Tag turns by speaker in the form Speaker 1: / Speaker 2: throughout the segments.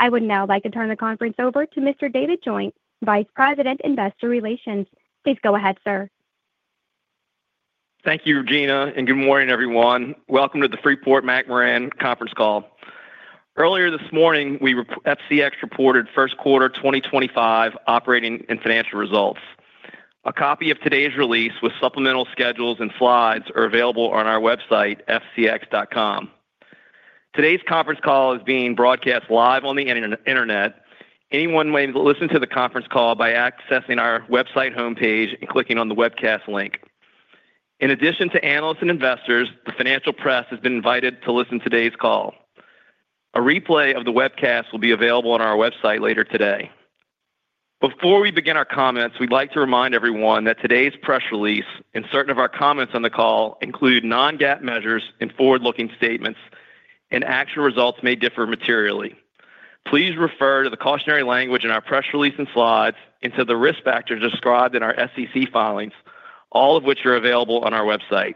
Speaker 1: I would now like to turn the conference over to Mr. David Joint, Vice President, Investor Relations. Please go ahead, sir.
Speaker 2: Thank you, Regina, and good morning, everyone. Welcome to the Freeport-McMoRan conference call. Earlier this morning, FCX reported first quarter 2025 operating and financial results. A copy of today's release with supplemental schedules and slides is available on our website, fcx.com. Today's conference call is being broadcast live on the internet. Anyone may listen to the conference call by accessing our website homepage and clicking on the webcast link. In addition to analysts and investors, the financial press has been invited to listen to today's call. A replay of the webcast will be available on our website later today. Before we begin our comments, we'd like to remind everyone that today's press release and certain of our comments on the call include non-GAAP measures and forward-looking statements, and actual results may differ materially. Please refer to the cautionary language in our press release and slides and to the risk factors described in our SEC filings, all of which are available on our website.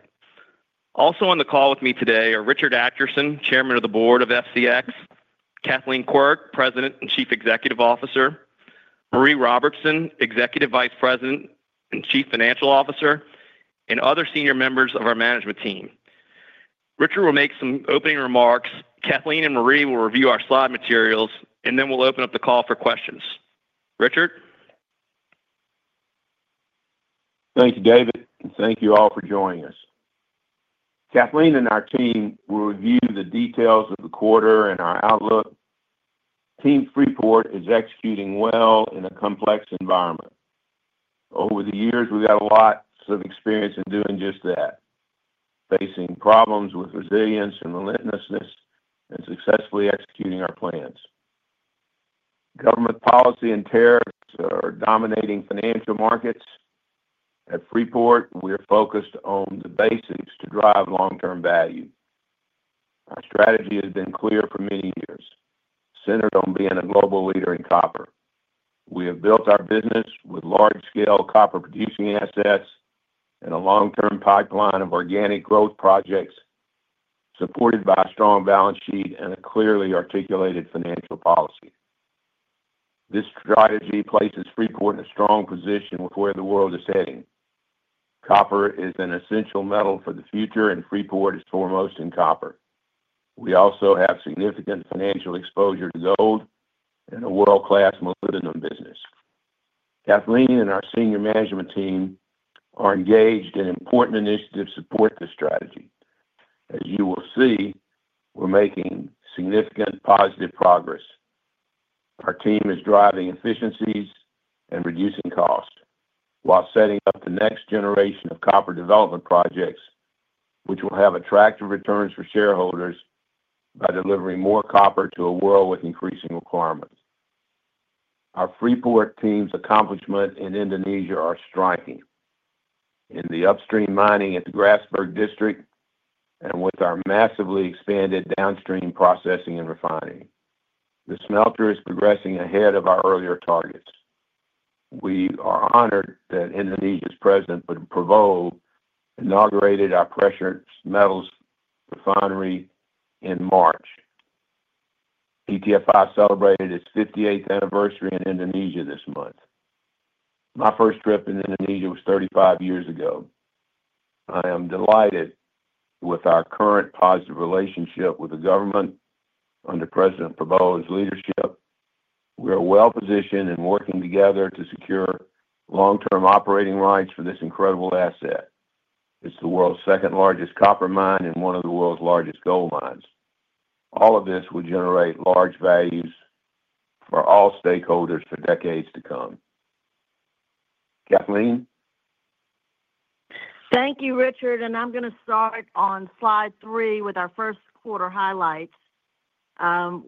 Speaker 2: Also on the call with me today are Richard Adkerson, Chairman of the Board of Freeport-McMoRan; Kathleen Quirk, President and Chief Executive Officer; Maree Robertson, Executive Vice President and Chief Financial Officer; and other senior members of our management team. Richard will make some opening remarks. Kathleen and Maree will review our slide materials, and then we'll open up the call for questions. Richard?
Speaker 3: Thank you, David. Thank you all for joining us. Kathleen and our team will review the details of the quarter and our outlook. Team Freeport is executing well in a complex environment. Over the years, we've got a lot of experience in doing just that, facing problems with resilience and relentlessness, and successfully executing our plans. Government policy and tariffs are dominating financial markets. At Freeport, we're focused on the basics to drive long-term value. Our strategy has been clear for many years, centered on being a global leader in copper. We have built our business with large-scale copper-producing assets and a long-term pipeline of organic growth projects, supported by a strong balance sheet and a clearly articulated financial policy. This strategy places Freeport in a strong position with where the world is heading. Copper is an essential metal for the future, and Freeport is foremost in copper. We also have significant financial exposure to gold and a world-class molybdenum business. Kathleen and our senior management team are engaged in important initiatives to support this strategy. As you will see, we're making significant positive progress. Our team is driving efficiencies and reducing costs while setting up the next generation of copper development projects, which will have attractive returns for shareholders by delivering more copper to a world with increasing requirements. Our Freeport team's accomplishments in Indonesia are striking, in the upstream mining at the Grasberg district and with our massively expanded downstream processing and refining. The smelter is progressing ahead of our earlier targets. We are honored that Indonesia's President, Mr. Prabowo, inaugurated our precious metals refinery in March. PT Freeport Indonesia celebrated its 58th anniversary in Indonesia this month. My first trip in Indonesia was 35 years ago. I am delighted with our current positive relationship with the government under President Prabowo's leadership. We are well positioned in working together to secure long-term operating rights for this incredible asset. It's the world's second-largest copper mine and one of the world's largest gold mines. All of this will generate large values for all stakeholders for decades to come. Kathleen?
Speaker 4: Thank you, Richard. I am going to start on slide three with our first quarter highlights,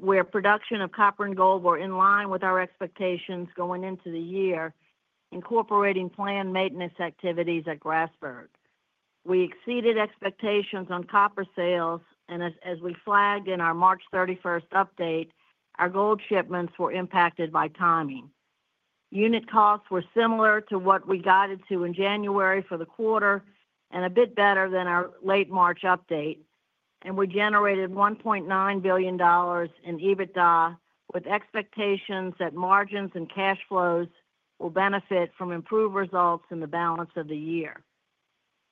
Speaker 4: where production of copper and gold were in line with our expectations going into the year, incorporating planned maintenance activities at Grasberg. We exceeded expectations on copper sales, and as we flagged in our March 31 update, our gold shipments were impacted by timing. Unit costs were similar to what we guided to in January for the quarter and a bit better than our late March update. We generated $1.9 billion in EBITDA, with expectations that margins and cash flows will benefit from improved results in the balance of the year.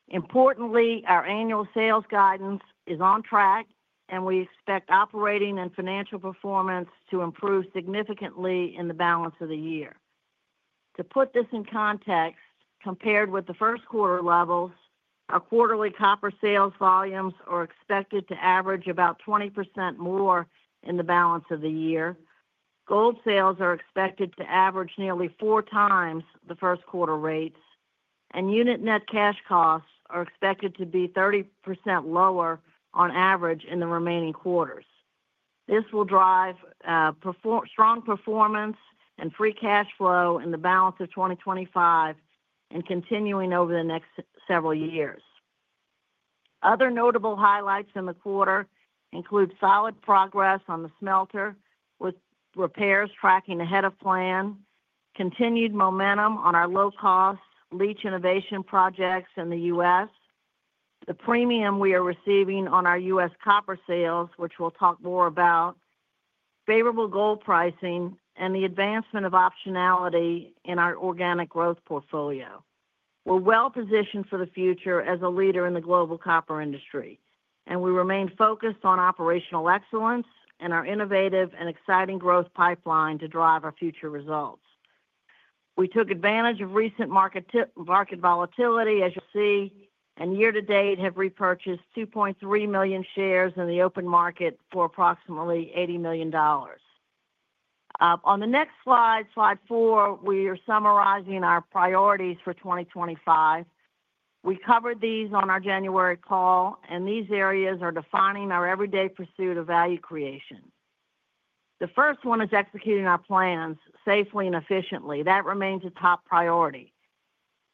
Speaker 4: Importantly, our annual sales guidance is on track, and we expect operating and financial performance to improve significantly in the balance of the year. To put this in context, compared with the first quarter levels, our quarterly copper sales volumes are expected to average about 20% more in the balance of the year. Gold sales are expected to average nearly four times the first quarter rates, and unit net cash costs are expected to be 30% lower on average in the remaining quarters. This will drive strong performance and free cash flow in the balance of 2025 and continuing over the next several years. Other notable highlights in the quarter include solid progress on the smelter, with repairs tracking ahead of plan, continued momentum on our low-cost leach innovation projects in the U.S., the premium we are receiving on our U.S. copper sales, which we'll talk more about, favorable gold pricing, and the advancement of optionality in our organic growth portfolio. We're well positioned for the future as a leader in the global copper industry, and we remain focused on operational excellence and our innovative and exciting growth pipeline to drive our future results. We took advantage of recent market volatility, as you'll see, and year-to-date have repurchased 2.3 million shares in the open market for approximately $80 million. On the next slide, slide four, we are summarizing our priorities for 2025. We covered these on our January call, and these areas are defining our everyday pursuit of value creation. The first one is executing our plans safely and efficiently. That remains a top priority.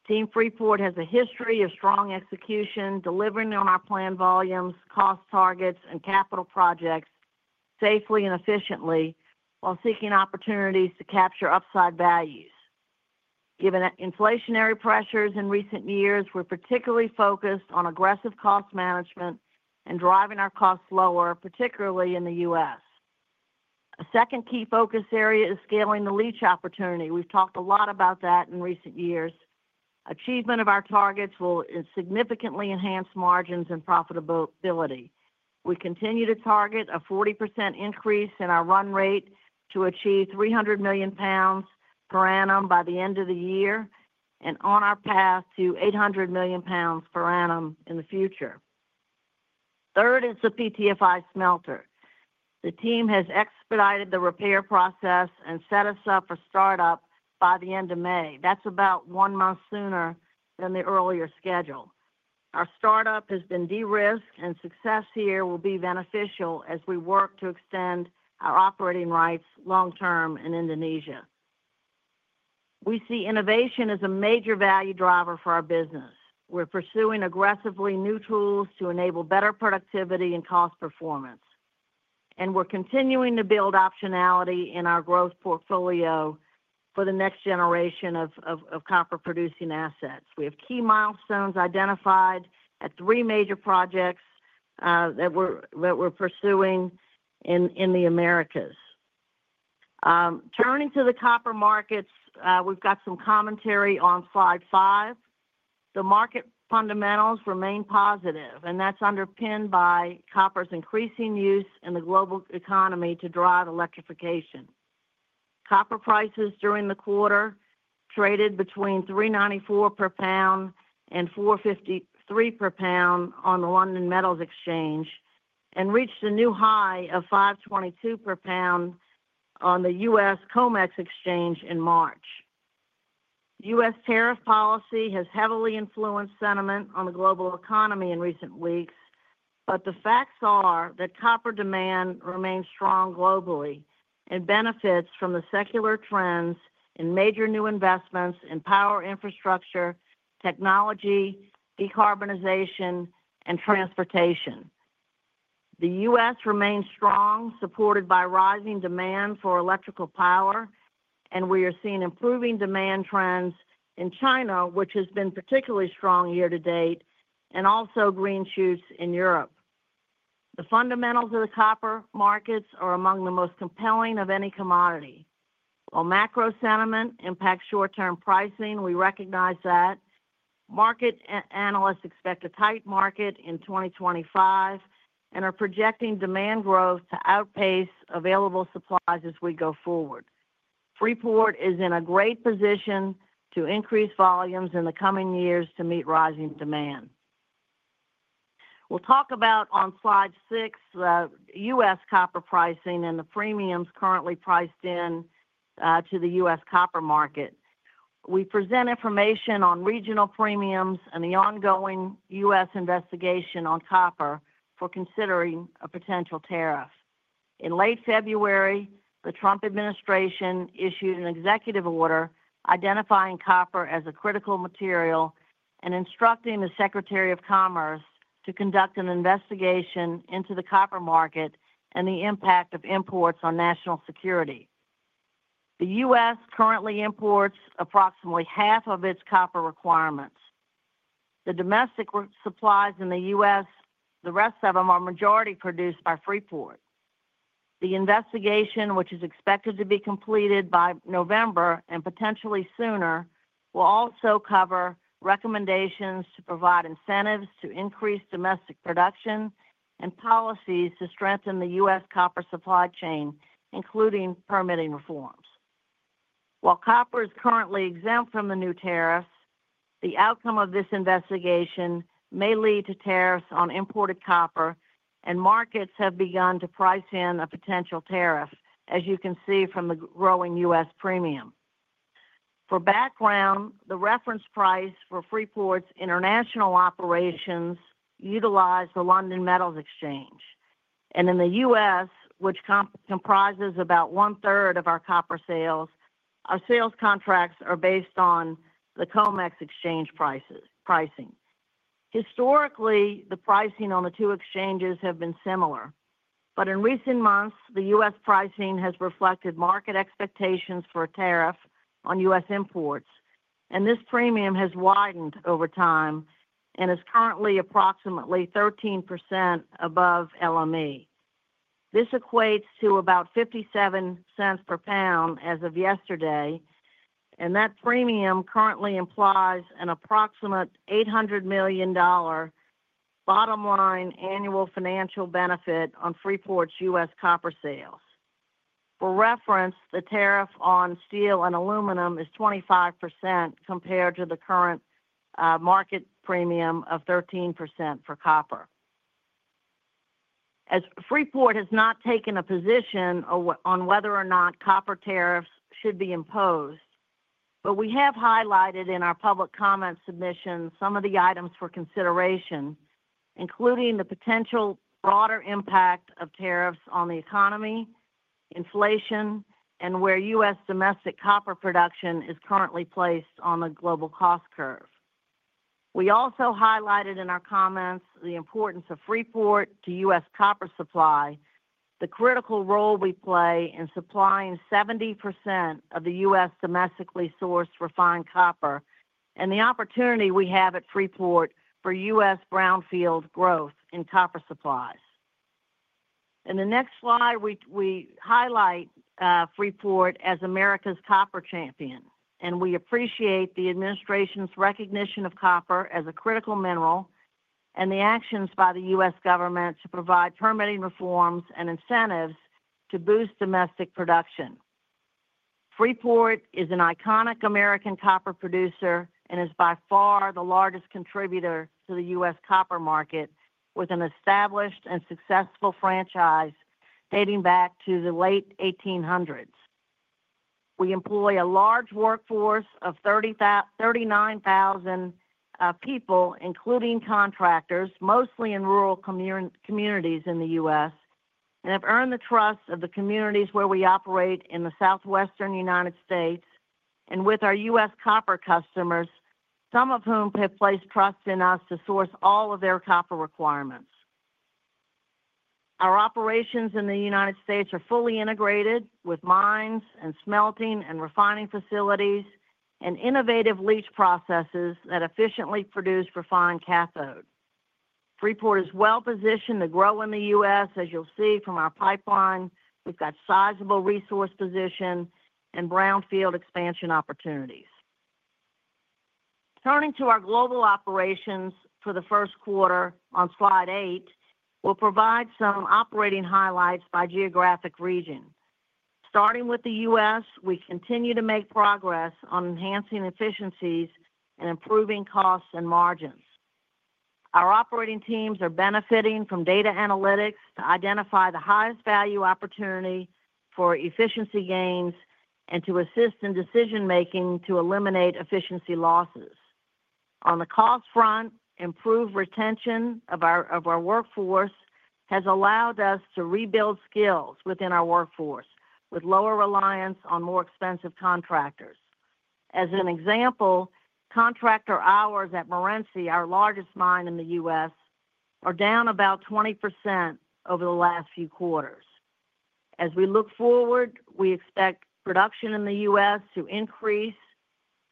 Speaker 4: Team Freeport has a history of strong execution, delivering on our planned volumes, cost targets, and capital projects safely and efficiently while seeking opportunities to capture upside values. Given inflationary pressures in recent years, we're particularly focused on aggressive cost management and driving our costs lower, particularly in the U.S. A second key focus area is scaling the leach opportunity. We've talked a lot about that in recent years. Achievement of our targets will significantly enhance margins and profitability. We continue to target a 40% increase in our run rate to achieve 300 million pounds per annum by the end of the year and on our path to 800 million pounds per annum in the future. Third is the PTFI smelter. The team has expedited the repair process and set us up for startup by the end of May. That's about one month sooner than the earlier schedule. Our startup has been de-risked, and success here will be beneficial as we work to extend our operating rights long-term in Indonesia. We see innovation as a major value driver for our business. We're pursuing aggressively new tools to enable better productivity and cost performance, and we're continuing to build optionality in our growth portfolio for the next generation of copper-producing assets. We have key milestones identified at three major projects that we're pursuing in the Americas. Turning to the copper markets, we've got some commentary on slide five. The market fundamentals remain positive, and that's underpinned by copper's increasing use in the global economy to drive electrification. Copper prices during the quarter traded between 3.94 per pound and 4.53 per pound on the London Metal Exchange and reached a new high of 5.22 per pound on the U.S. COMEX Exchange in March. U.S. Tariff policy has heavily influenced sentiment on the global economy in recent weeks, but the facts are that copper demand remains strong globally and benefits from the secular trends in major new investments in power infrastructure, technology, decarbonization, and transportation. The U.S. remains strong, supported by rising demand for electrical power, and we are seeing improving demand trends in China, which has been particularly strong year-to-date, and also green shoots in Europe. The fundamentals of the copper markets are among the most compelling of any commodity. While macro sentiment impacts short-term pricing, we recognize that. Market analysts expect a tight market in 2025 and are projecting demand growth to outpace available supplies as we go forward. Freeport is in a great position to increase volumes in the coming years to meet rising demand. We'll talk about on slide six U.S. Copper pricing and the premiums currently priced in to the U.S. copper market. We present information on regional premiums and the ongoing U.S. investigation on copper for considering a potential tariff. In late February, the Trump administration issued an executive order identifying copper as a critical material and instructing the Secretary of Commerce to conduct an investigation into the copper market and the impact of imports on national security. The U.S. currently imports approximately half of its copper requirements. The domestic supplies in the U.S., the rest of them are majority produced by Freeport. The investigation, which is expected to be completed by November and potentially sooner, will also cover recommendations to provide incentives to increase domestic production and policies to strengthen the U.S. copper supply chain, including permitting reforms. While copper is currently exempt from the new tariffs, the outcome of this investigation may lead to tariffs on imported copper, and markets have begun to price in a potential tariff, as you can see from the growing U.S. premium. For background, the reference price for Freeport's international operations utilized the London Metal Exchange. In the U.S., which comprises about one-third of our copper sales, our sales contracts are based on the COMEX Exchange pricing. Historically, the pricing on the two exchanges has been similar, but in recent months, the U.S. pricing has reflected market expectations for a tariff on U.S. imports, and this premium has widened over time and is currently approximately 13% above LME. This equates to about 0.57 per pound as of yesterday, and that premium currently implies an approximate $800 million bottom line annual financial benefit on Freeport's U.S. copper sales. For reference, the tariff on steel and aluminum is 25% compared to the current market premium of 13% for copper. As Freeport has not taken a position on whether or not copper tariffs should be imposed, we have highlighted in our public comment submission some of the items for consideration, including the potential broader impact of tariffs on the economy, inflation, and where U.S. domestic copper production is currently placed on the global cost curve. We also highlighted in our comments the importance of Freeport to U.S. copper supply, the critical role we play in supplying 70% of the U.S. domestically sourced refined copper, and the opportunity we have at Freeport for U.S. brownfield growth in copper supplies. In the next slide, we highlight Freeport as America's copper champion, and we appreciate the administration's recognition of copper as a critical mineral and the actions by the U.S. Government to provide permitting reforms and incentives to boost domestic production. Freeport is an iconic American copper producer and is by far the largest contributor to the U.S. copper market, with an established and successful franchise dating back to the late 1800s. We employ a large workforce of 39,000 people, including contractors, mostly in rural communities in the U.S., and have earned the trust of the communities where we operate in the southwestern United States and with our U.S. copper customers, some of whom have placed trust in us to source all of their copper requirements. Our operations in the United States are fully integrated with mines and smelting and refining facilities and innovative leach processes that efficiently produce refined cathode. Freeport is well positioned to grow in the U.S., as you'll see from our pipeline. We've got sizable resource position and brownfield expansion opportunities. Turning to our global operations for the first quarter on slide eight, we'll provide some operating highlights by geographic region. Starting with the U.S., we continue to make progress on enhancing efficiencies and improving costs and margins. Our operating teams are benefiting from data analytics to identify the highest value opportunity for efficiency gains and to assist in decision-making to eliminate efficiency losses. On the cost front, improved retention of our workforce has allowed us to rebuild skills within our workforce with lower reliance on more expensive contractors. As an example, contractor hours at Morenci, our largest mine in the U.S., are down about 20% over the last few quarters. As we look forward, we expect production in the U.S. to increase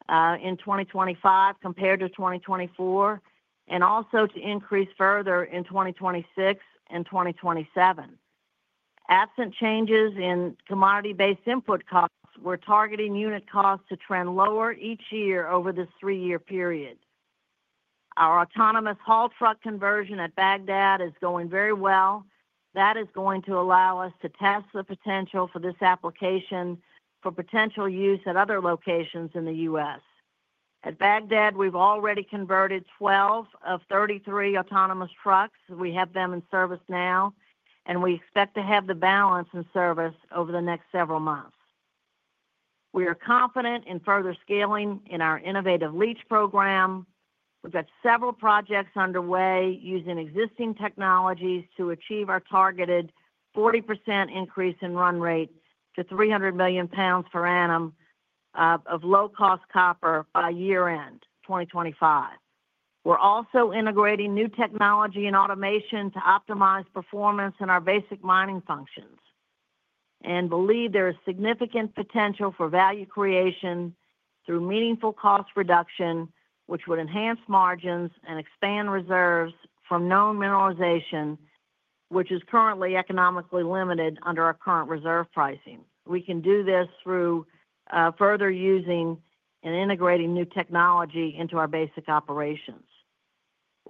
Speaker 4: in 2025 compared to 2024 and also to increase further in 2026 and 2027. Absent changes in commodity-based input costs, we're targeting unit costs to trend lower each year over this three-year period. Our autonomous haul truck conversion at Bagdad is going very well. That is going to allow us to test the potential for this application for potential use at other locations in the U.S. At Bagdad, we've already converted 12 of 33 autonomous trucks. We have them in service now, and we expect to have the balance in service over the next several months. We are confident in further scaling in our innovative leach program. We've got several projects underway using existing technologies to achieve our targeted 40% increase in run rate to 300 million lbs per annum of low-cost copper by year-end 2025. We're also integrating new technology and automation to optimize performance in our basic mining functions and believe there is significant potential for value creation through meaningful cost reduction, which would enhance margins and expand reserves from known mineralization, which is currently economically limited under our current reserve pricing. We can do this through further using and integrating new technology into our basic operations.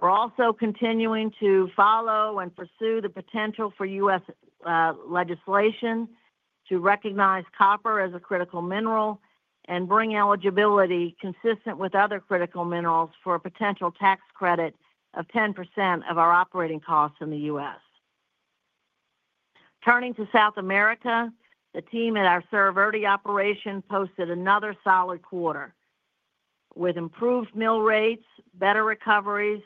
Speaker 4: We're also continuing to follow and pursue the potential for U.S. legislation to recognize copper as a critical mineral and bring eligibility consistent with other critical minerals for a potential tax credit of 10% of our operating costs in the U.S. Turning to South America, the team at our Cerro Verde operation posted another solid quarter with improved mill rates, better recoveries,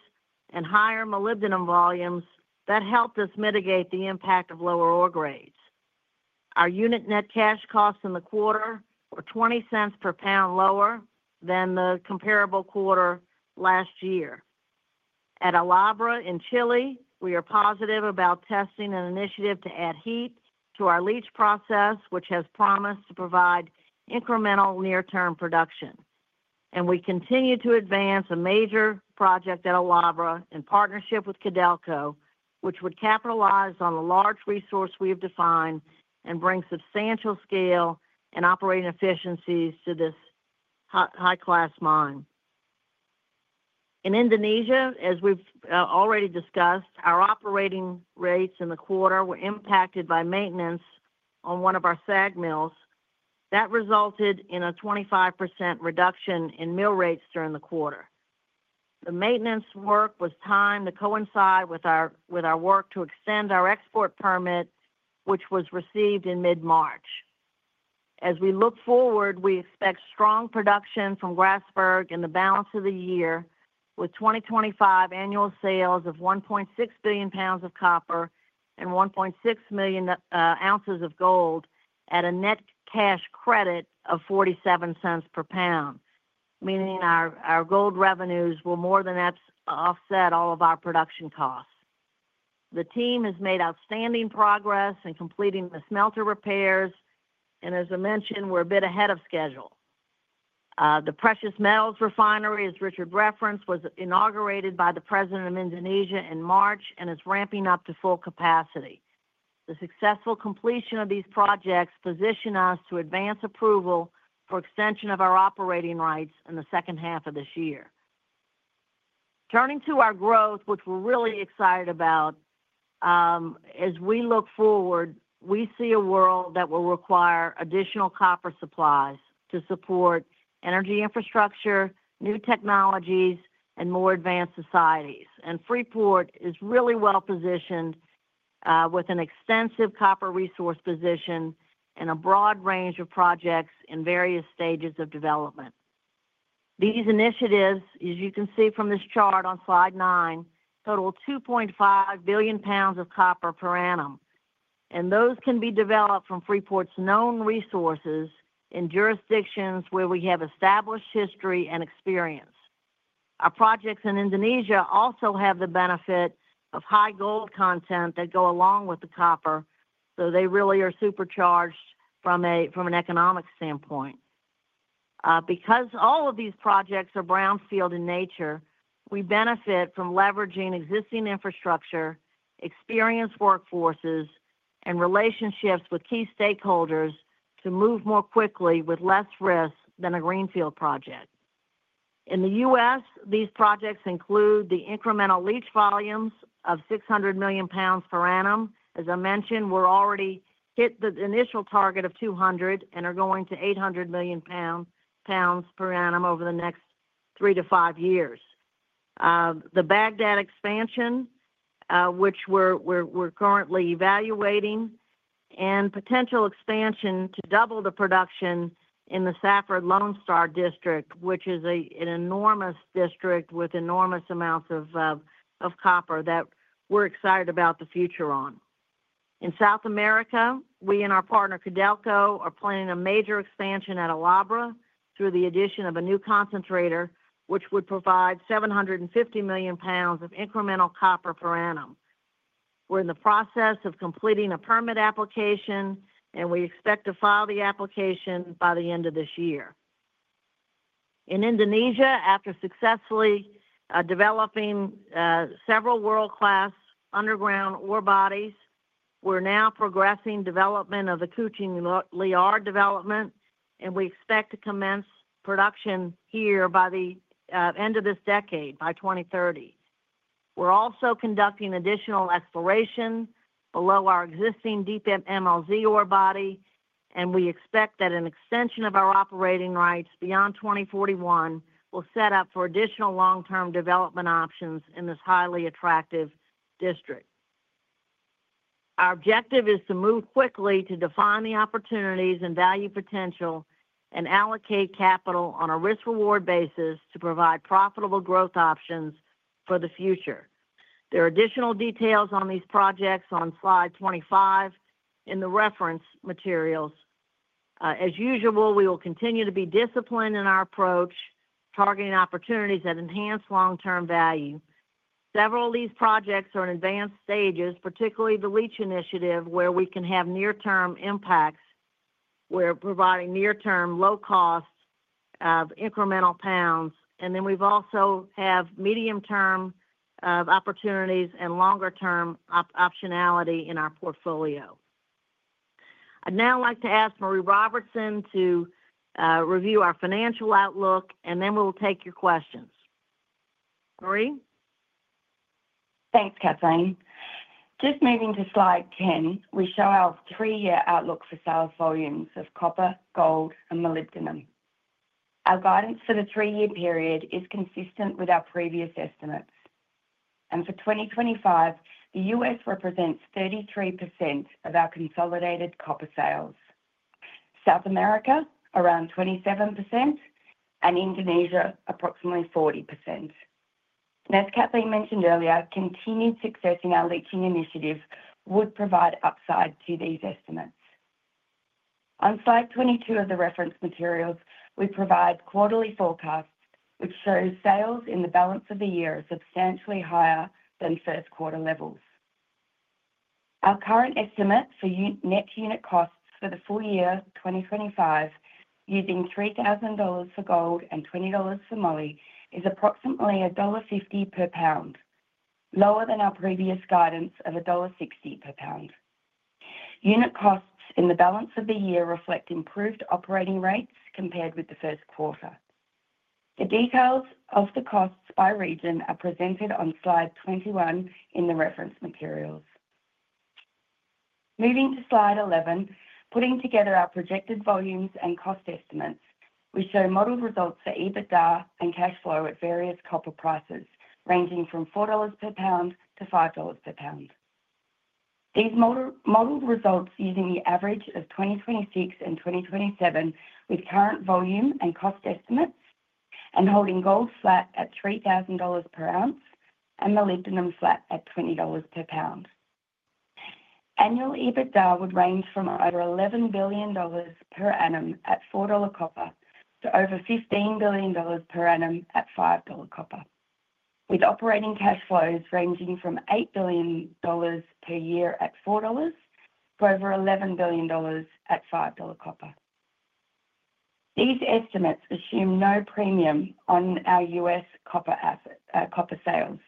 Speaker 4: and higher molybdenum volumes that helped us mitigate the impact of lower ore grades. Our unit net cash costs in the quarter were 0.20 per pound lower than the comparable quarter last year. At El Abra in Chile, we are positive about testing an initiative to add heat to our leach process, which has promised to provide incremental near-term production. We continue to advance a major project at El Abra in partnership with Codelco, which would capitalize on the large resource we have defined and bring substantial scale and operating efficiencies to this high-class mine. In Indonesia, as we've already discussed, our operating rates in the quarter were impacted by maintenance on one of our SAG mills. That resulted in a 25% reduction in mill rates during the quarter. The maintenance work was timed to coincide with our work to extend our export permit, which was received in mid-March. As we look forward, we expect strong production from Grasberg in the balance of the year, with 2025 annual sales of 1.6 billion pounds of copper and 1.6 million ounces of gold at a net cash credit of 0.47 per pound, meaning our gold revenues will more than offset all of our production costs. The team has made outstanding progress in completing the smelter repairs, and as I mentioned, we're a bit ahead of schedule. The Precious Metals Refinery, as Richard referenced, was inaugurated by the President of Indonesia in March and is ramping up to full capacity. The successful completion of these projects positions us to advance approval for extension of our operating rights in the second half of this year. Turning to our growth, which we're really excited about, as we look forward, we see a world that will require additional copper supplies to support energy infrastructure, new technologies, and more advanced societies. Freeport is really well positioned with an extensive copper resource position and a broad range of projects in various stages of development. These initiatives, as you can see from this chart on slide nine, total 2.5 billion pounds of copper per annum, and those can be developed from Freeport's known resources in jurisdictions where we have established history and experience. Our projects in Indonesia also have the benefit of high gold content that goes along with the copper, so they really are supercharged from an economic standpoint. Because all of these projects are brownfield in nature, we benefit from leveraging existing infrastructure, experienced workforces, and relationships with key stakeholders to move more quickly with less risk than a greenfield project. In the U.S., these projects include the incremental leach volumes of 600 million pounds per annum. As I mentioned, we've already hit the initial target of 200 million and are going to 800 million pounds per annum over the next three to five years. The Bagdad expansion, which we're currently evaluating, and potential expansion to double the production in the Safford-Lone Star district, which is an enormous district with enormous amounts of copper that we're excited about the future on. In South America, we and our partner Codelco are planning a major expansion at El Abra through the addition of a new concentrator, which would provide 750 million pounds of incremental copper per annum. We're in the process of completing a permit application, and we expect to file the application by the end of this year. In Indonesia, after successfully developing several world-class underground ore bodies, we're now progressing development of the Kuching Liar development, and we expect to commence production here by the end of this decade, by 2030. We're also conducting additional exploration below our existing deep MLZ ore body, and we expect that an extension of our operating rights beyond 2041 will set up for additional long-term development options in this highly attractive district. Our objective is to move quickly to define the opportunities and value potential and allocate capital on a risk-reward basis to provide profitable growth options for the future. There are additional details on these projects on slide 25 in the reference materials. As usual, we will continue to be disciplined in our approach, targeting opportunities that enhance long-term value. Several of these projects are in advanced stages, particularly the leach initiative, where we can have near-term impacts where we're providing near-term low costs of incremental pounds, and we also have medium-term opportunities and longer-term optionality in our portfolio. I'd now like to ask Maree Robertson to review our financial outlook, and then we'll take your questions. Maree?
Speaker 5: Thanks, Kathleen. Just moving to slide ten, we show our three-year outlook for sales volumes of copper, gold, and molybdenum. Our guidance for the three-year period is consistent with our previous estimates. For 2025, the U.S. represents 33% of our consolidated copper sales, South America around 27%, and Indonesia approximately 40%. As Kathleen mentioned earlier, continued success in our leaching initiative would provide upside to these estimates. On slide 22 of the reference materials, we provide quarterly forecasts, which show sales in the balance of the year are substantially higher than first-quarter levels. Our current estimate for net unit costs for the full year 2025, using $3,000 for gold and $20 for moly, is approximately GBP 1.50 per pound, lower than our previous guidance of GBP 1.60 per pound. Unit costs in the balance of the year reflect improved operating rates compared with the first quarter. The details of the costs by region are presented on slide 21 in the reference materials. Moving to slide 11, putting together our projected volumes and cost estimates, we show modeled results for EBITDA and cash flow at various copper prices ranging from GBP 4 per pound to GBP 5 per pound. These modeled results using the average of 2026 and 2027 with current volume and cost estimates and holding gold flat at $3,000 per ounce and molybdenum flat at $20 per pound. Annual EBITDA would range from over $11 billion per annum at $4 copper to over $15 billion per annum at $5 copper, with operating cash flows ranging from $8 billion per year at $4 to over $11 billion at $5 copper. These estimates assume no premium on our U.S. copper sales.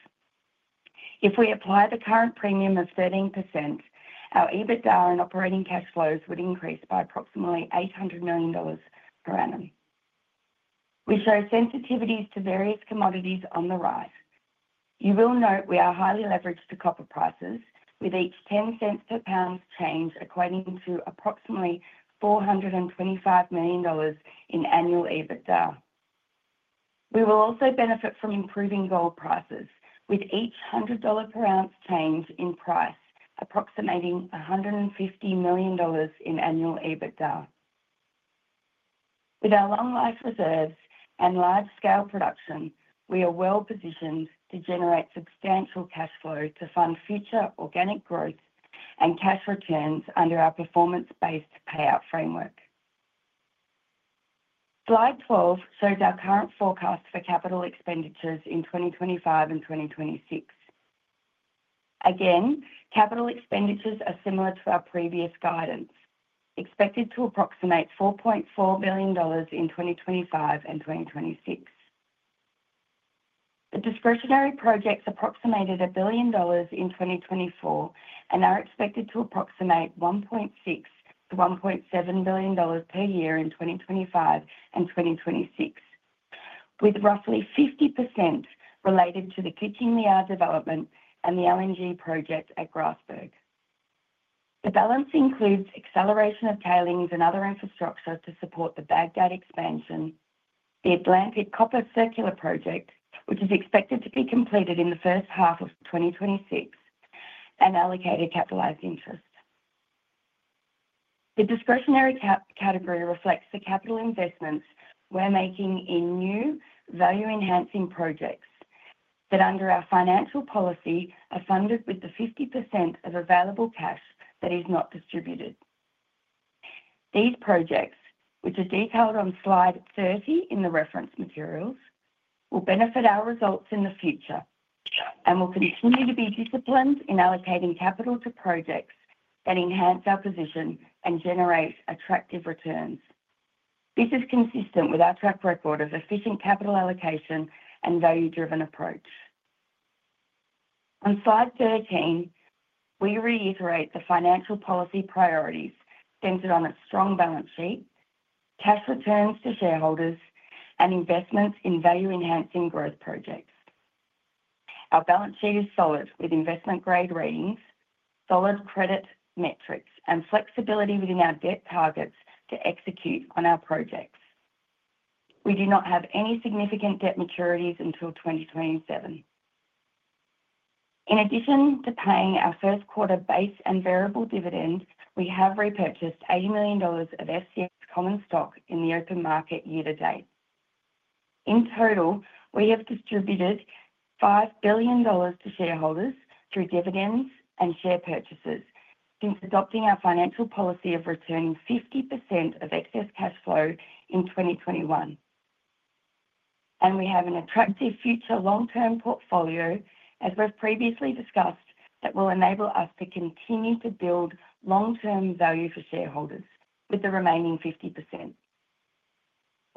Speaker 5: If we apply the current premium of 13%, our EBITDA and operating cash flows would increase by approximately $800 million per annum. We show sensitivities to various commodities on the right. You will note we are highly leveraged to copper prices, with each 0.10 per pound change equating to approximately $425 million in annual EBITDA. We will also benefit from improving gold prices, with each $100 per ounce change in price approximating $150 million in annual EBITDA. With our long-life reserves and large-scale production, we are well positioned to generate substantial cash flow to fund future organic growth and cash returns under our performance-based payout framework. Slide 12 shows our current forecast for capital expenditures in 2025 and 2026. Again, capital expenditures are similar to our previous guidance, expected to approximate $4.4 billion in 2025 and 2026. The discretionary projects approximated $1 billion in 2024 and are expected to approximate $1.6-$1.7 billion per year in 2025 and 2026, with roughly 50% related to the Kuching Liar development and the LNG project at Grasberg. The balance includes acceleration of tailings and other infrastructure to support the Bagdad expansion, the Atlantic Copper Circular Project, which is expected to be completed in the first half of 2026, and allocated capitalized interest. The discretionary category reflects the capital investments we're making in new value-enhancing projects that, under our financial policy, are funded with the 50% of available cash that is not distributed. These projects, which are detailed on slide 30 in the reference materials, will benefit our results in the future and will continue to be disciplined in allocating capital to projects that enhance our position and generate attractive returns. This is consistent with our track record of efficient capital allocation and value-driven approach. On slide 13, we reiterate the financial policy priorities centered on a strong balance sheet, cash returns to shareholders, and investments in value-enhancing growth projects. Our balance sheet is solid, with investment-grade ratings, solid credit metrics, and flexibility within our debt targets to execute on our projects. We do not have any significant debt maturities until 2027. In addition to paying our first-quarter base and variable dividends, we have repurchased $80 million of FCX common stock in the open market year to date. In total, we have distributed $5 billion to shareholders through dividends and share purchases since adopting our financial policy of returning 50% of excess cash flow in 2021. We have an attractive future long-term portfolio, as we've previously discussed, that will enable us to continue to build long-term value for shareholders with the remaining 50%.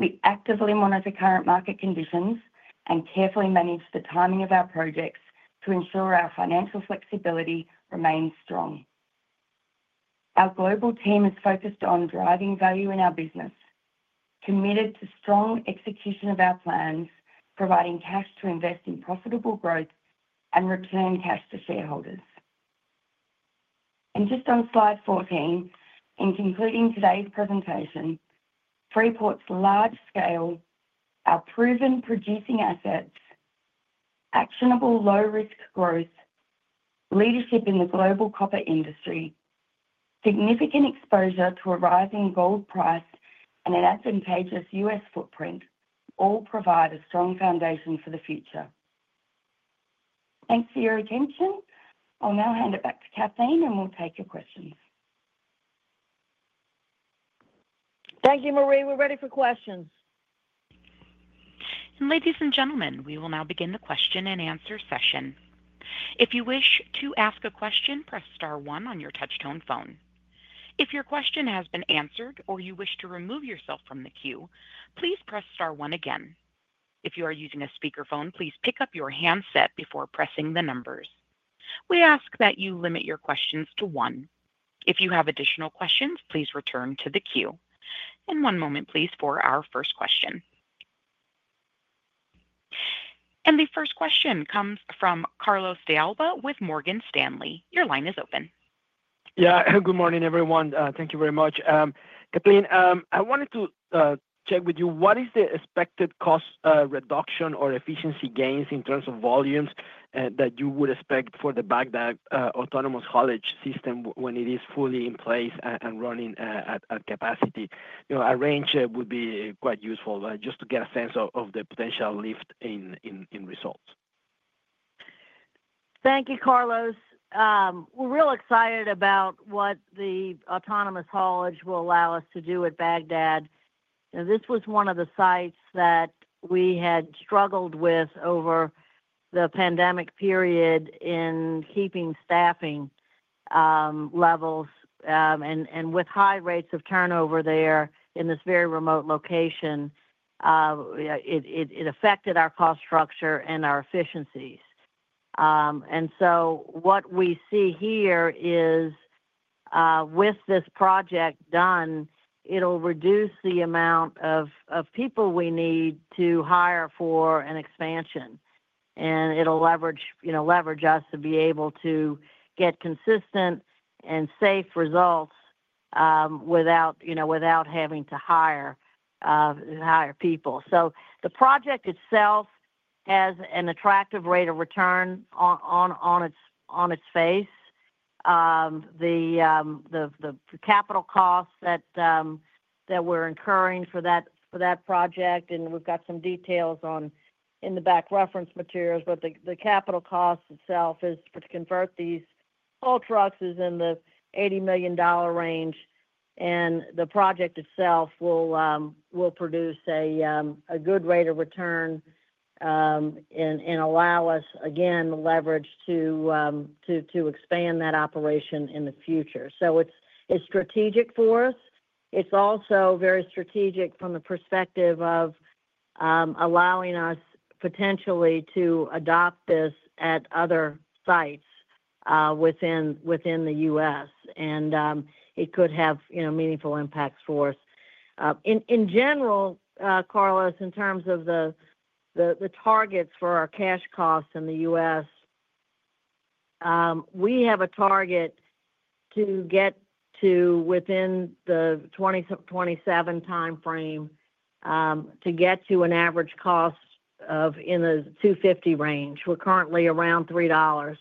Speaker 5: We actively monitor current market conditions and carefully manage the timing of our projects to ensure our financial flexibility remains strong. Our global team is focused on driving value in our business, committed to strong execution of our plans, providing cash to invest in profitable growth and return cash to shareholders. On slide 14, in concluding today's presentation, Freeport's large scale, our proven producing assets, actionable low-risk growth, leadership in the global copper industry, significant exposure to a rising gold price, and an advantageous U.S. footprint all provide a strong foundation for the future. Thanks for your attention. I'll now hand it back to Kathleen, and we'll take your questions.
Speaker 4: Thank you, Maree. We're ready for questions.
Speaker 1: Ladies and gentlemen, we will now begin the question and answer session. If you wish to ask a question, press star one on your touch-tone phone. If your question has been answered or you wish to remove yourself from the queue, please press star one again. If you are using a speakerphone, please pick up your handset before pressing the numbers. We ask that you limit your questions to one. If you have additional questions, please return to the queue. One moment, please, for our first question. The first question comes from Carlos De Alba with Morgan Stanley. Your line is open.
Speaker 6: Yeah. Good morning, everyone. Thank you very much. Kathleen, I wanted to check with you, what is the expected cost reduction or efficiency gains in terms of volumes that you would expect for the Bagdad Autonomous Haulage system when it is fully in place and running at capacity? A range would be quite useful just to get a sense of the potential lift in results.
Speaker 4: Thank you, Carlos. We're real excited about what the Autonomous Haulage will allow us to do at Bagdad. This was one of the sites that we had struggled with over the pandemic period in keeping staffing levels. With high rates of turnover there in this very remote location, it affected our cost structure and our efficiencies. What we see here is, with this project done, it'll reduce the amount of people we need to hire for an expansion, and it'll leverage us to be able to get consistent and safe results without having to hire people. The project itself has an attractive rate of return on its face. The capital costs that we're incurring for that project, and we've got some details in the back reference materials, but the capital cost itself is to convert these toll trucks is in the $80 million range. The project itself will produce a good rate of return and allow us, again, leverage to expand that operation in the future. It is strategic for us. It is also very strategic from the perspective of allowing us potentially to adopt this at other sites within the U.S. It could have meaningful impacts for us. In general, Carlos, in terms of the targets for our cash costs in the U.S., we have a target to get to within the 2027 timeframe to get to an average cost in the $2.50 range. We are currently around $3.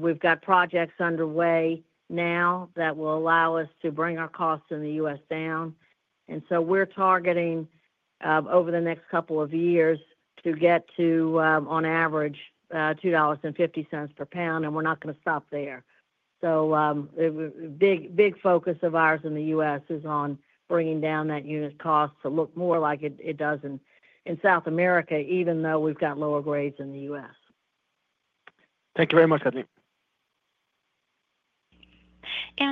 Speaker 4: We have projects underway now that will allow us to bring our costs in the U.S. down. We are targeting over the next couple of years to get to, on average, $2.50 per pound. We are not going to stop there. The big focus of ours in the U.S. is on bringing down that unit cost to look more like it does in South America, even though we've got lower grades in the U.S.
Speaker 6: Thank you very much, Kathleen.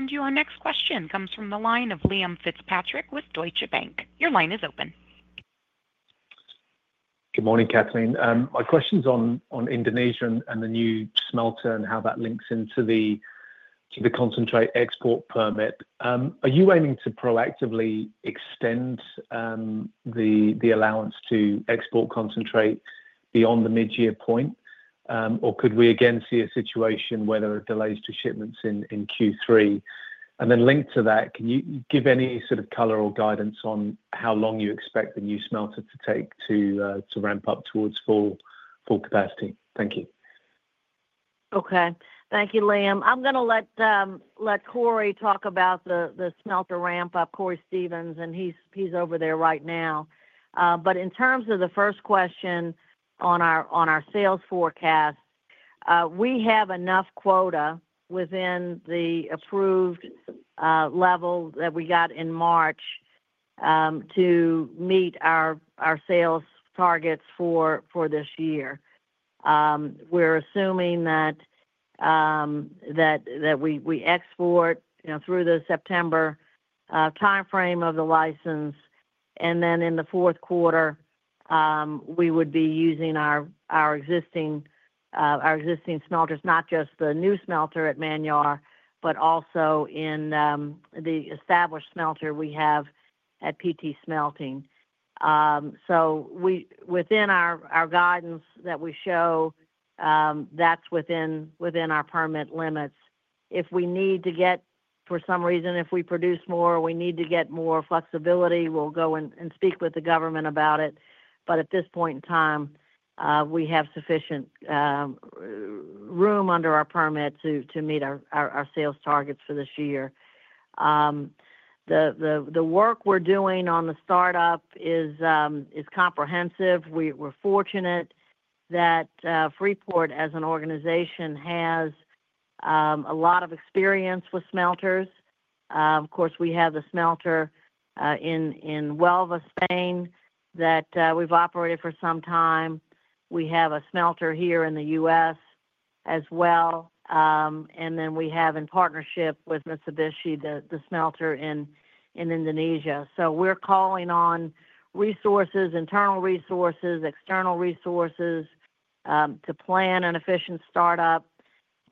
Speaker 1: Your next question comes from the line of Liam Fitzpatrick with Deutsche Bank. Your line is open.
Speaker 7: Good morning, Kathleen. My question's on Indonesia and the new smelter and how that links into the concentrate export permit. Are you aiming to proactively extend the allowance to export concentrate beyond the mid-year point? Could we again see a situation where there are delays to shipments in Q3? Linked to that, can you give any sort of color or guidance on how long you expect the new smelter to take to ramp up towards full capacity? Thank you.
Speaker 4: Okay. Thank you, Liam. I'm going to let Cory talk about the smelter ramp-up. Cory Stevens, and he's over there right now. In terms of the first question on our sales forecast, we have enough quota within the approved level that we got in March to meet our sales targets for this year. We're assuming that we export through the September timeframe of the license, and in the fourth quarter, we would be using our existing smelters, not just the new smelter at Manyar, but also the established smelter we have at PT Smelting. Within our guidance that we show, that's within our permit limits. If we need to get, for some reason, if we produce more or we need to get more flexibility, we'll go and speak with the government about it. At this point in time, we have sufficient room under our permit to meet our sales targets for this year. The work we're doing on the startup is comprehensive. We're fortunate that Freeport, as an organization, has a lot of experience with smelters. Of course, we have the smelter in Huelva, Spain, that we've operated for some time. We have a smelter here in the U.S. as well. We have, in partnership with Mitsubishi, the smelter in Indonesia. We're calling on resources, internal resources, external resources, to plan an efficient startup.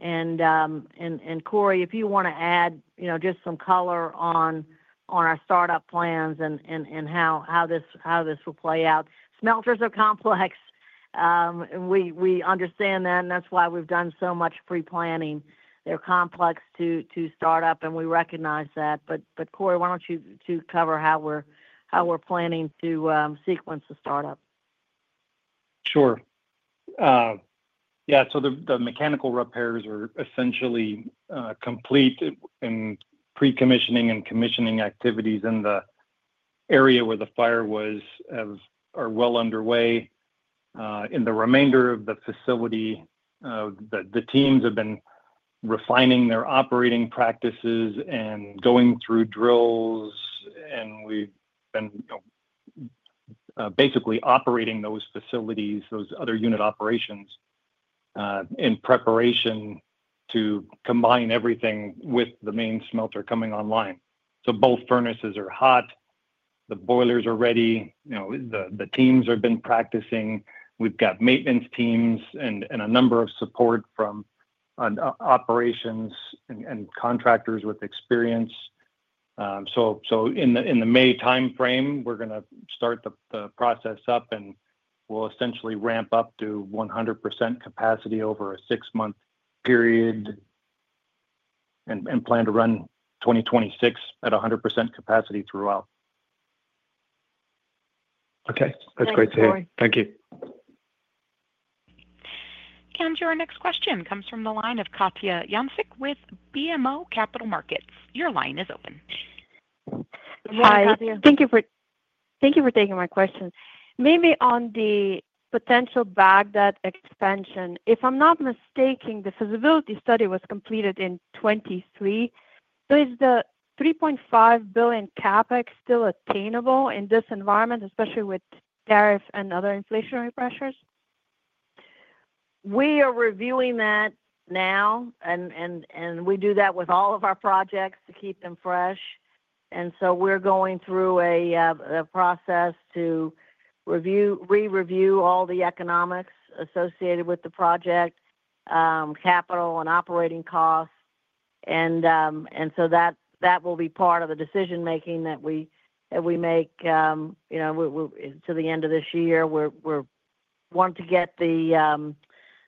Speaker 4: Cory, if you want to add just some color on our startup plans and how this will play out. Smelters are complex. We understand that, and that's why we've done so much pre-planning. They're complex to start up, and we recognize that. Cory, why don't you cover how we're planning to sequence the startup?
Speaker 8: Sure. Yeah. The mechanical repairs are essentially complete, and pre-commissioning and commissioning activities in the area where the fire was are well underway. In the remainder of the facility, the teams have been refining their operating practices and going through drills. We have been basically operating those facilities, those other unit operations, in preparation to combine everything with the main smelter coming online. Both furnaces are hot. The boilers are ready. The teams have been practicing. We have maintenance teams and a number of support from operations and contractors with experience. In the May timeframe, we are going to start the process up, and we will essentially ramp up to 100% capacity over a six-month period and plan to run 2026 at 100% capacity throughout.
Speaker 7: Okay. That is great to hear. Thank you.
Speaker 1: Your next question comes from the line of Katja Jancic with BMO Capital Markets. Your line is open.
Speaker 9: Hi. Thank you for taking my question. Maybe on the potential Bagdad expansion, if I'm not mistaken, the feasibility study was completed in 2023. Is the $3.5 billion CapEx still attainable in this environment, especially with tariffs and other inflationary pressures?
Speaker 4: We are reviewing that now, and we do that with all of our projects to keep them fresh. We are going through a process to re-review all the economics associated with the project, capital and operating costs. That will be part of the decision-making that we make to the end of this year. We want to get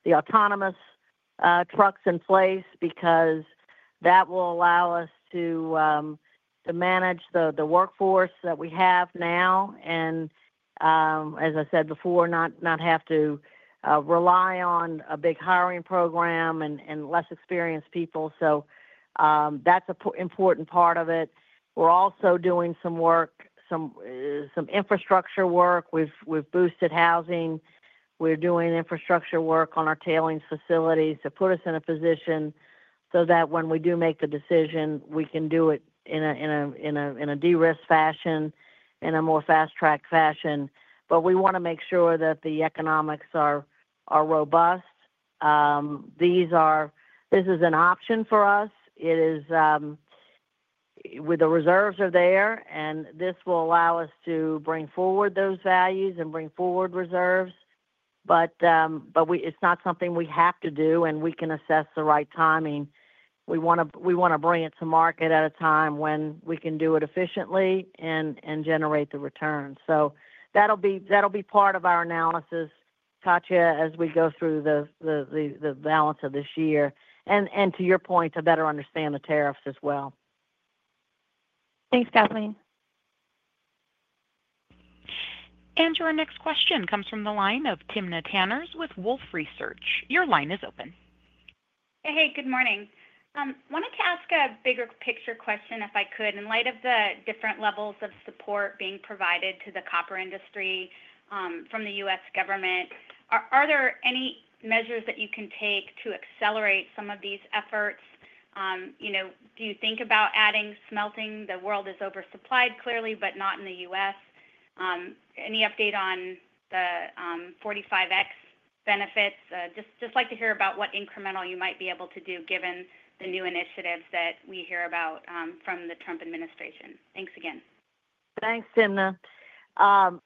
Speaker 4: the autonomous trucks in place because that will allow us to manage the workforce that we have now and, as I said before, not have to rely on a big hiring program and less experienced people. That is an important part of it. We're also doing some work, some infrastructure work. We've boosted housing. We're doing infrastructure work on our tailings facilities to put us in a position so that when we do make the decision, we can do it in a de-risk fashion, in a more fast-track fashion. We want to make sure that the economics are robust. This is an option for us. The reserves are there, and this will allow us to bring forward those values and bring forward reserves. It is not something we have to do, and we can assess the right timing. We want to bring it to market at a time when we can do it efficiently and generate the return. That will be part of our analysis, Katja, as we go through the balance of this year. To your point, to better understand the tariffs as well.
Speaker 9: Thanks, Kathleen.
Speaker 1: Your next question comes from the line of Timna Tanners with Wolfe Research. Your line is open.
Speaker 10: Hey, good morning. I wanted to ask a bigger picture question, if I could. In light of the different levels of support being provided to the copper industry from the U.S. government, are there any measures that you can take to accelerate some of these efforts? Do you think about adding smelting? The world is oversupplied, clearly, but not in the U.S. Any update on the 45X benefits? Just like to hear about what incremental you might be able to do, given the new initiatives that we hear about from the Trump administration. Thanks again.
Speaker 4: Thanks, Timna.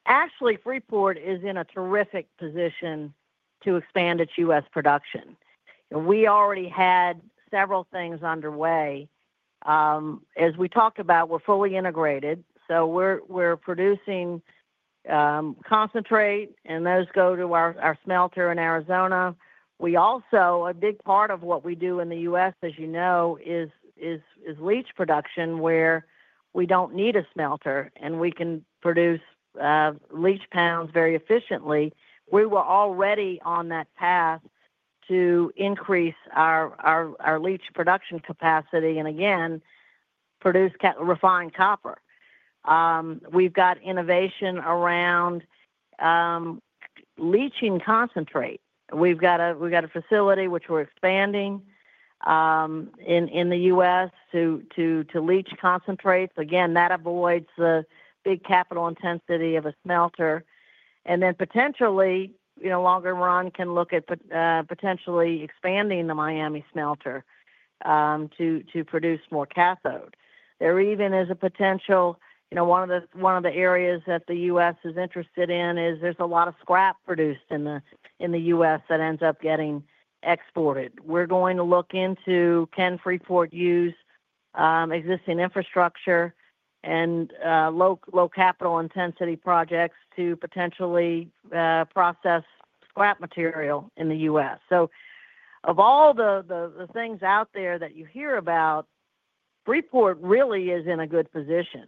Speaker 4: Actually, Freeport is in a terrific position to expand its U.S. production. We already had several things underway. As we talked about, we're fully integrated. We're producing concentrate, and those go to our smelter in Arizona. We also, a big part of what we do in the U.S., as you know, is leach production, where we don't need a smelter, and we can produce leach pounds very efficiently. We were already on that path to increase our leach production capacity and, again, refine copper. We've got innovation around leaching concentrate. We've got a facility which we're expanding in the U.S. to leach concentrates. That avoids the big capital intensity of a smelter. Potentially, longer run, can look at potentially expanding the Miami smelter to produce more cathode. There even is a potential. One of the areas that the U.S. is interested in is there's a lot of scrap produced in the U.S. that ends up getting exported. We're going to look into can Freeport use existing infrastructure and low capital intensity projects to potentially process scrap material in the U.S. Of all the things out there that you hear about, Freeport really is in a good position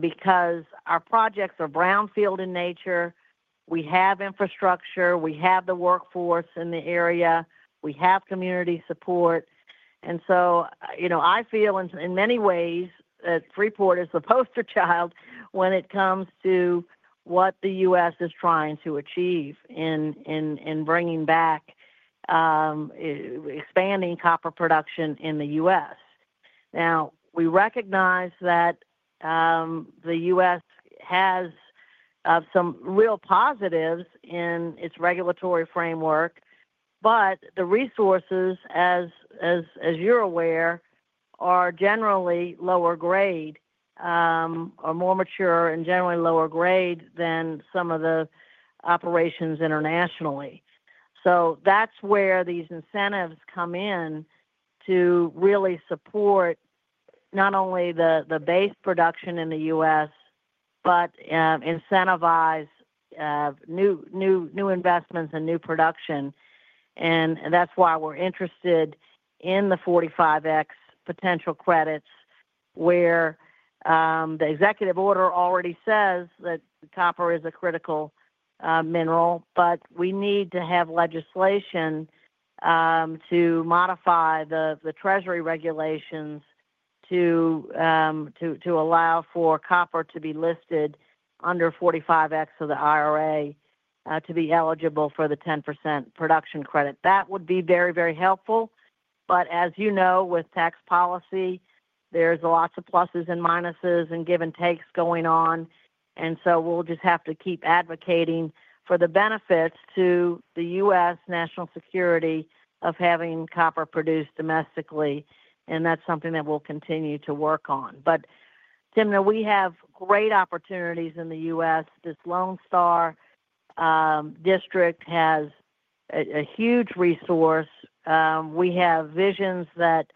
Speaker 4: because our projects are brownfield in nature. We have infrastructure. We have the workforce in the area. We have community support. I feel, in many ways, that Freeport is the poster child when it comes to what the U.S. is trying to achieve in bringing back, expanding copper production in the U.S. Now, we recognize that the U.S. has some real positives in its regulatory framework, but the resources, as you're aware, are generally lower grade or more mature and generally lower grade than some of the operations internationally. That is where these incentives come in to really support not only the base production in the U.S., but incentivize new investments and new production. That is why we are interested in the 45X potential credits, where the executive order already says that copper is a critical mineral, but we need to have legislation to modify the Treasury regulations to allow for copper to be listed under 45X of the IRA to be eligible for the 10% production credit. That would be very, very helpful. As you know, with tax policy, there are lots of pluses and minuses and give and takes going on. We will just have to keep advocating for the benefits to the U.S. national security of having copper produced domestically. That is something that we will continue to work on. Timna, we have great opportunities in the U.S. This Lone Star District has a huge resource. We have visions that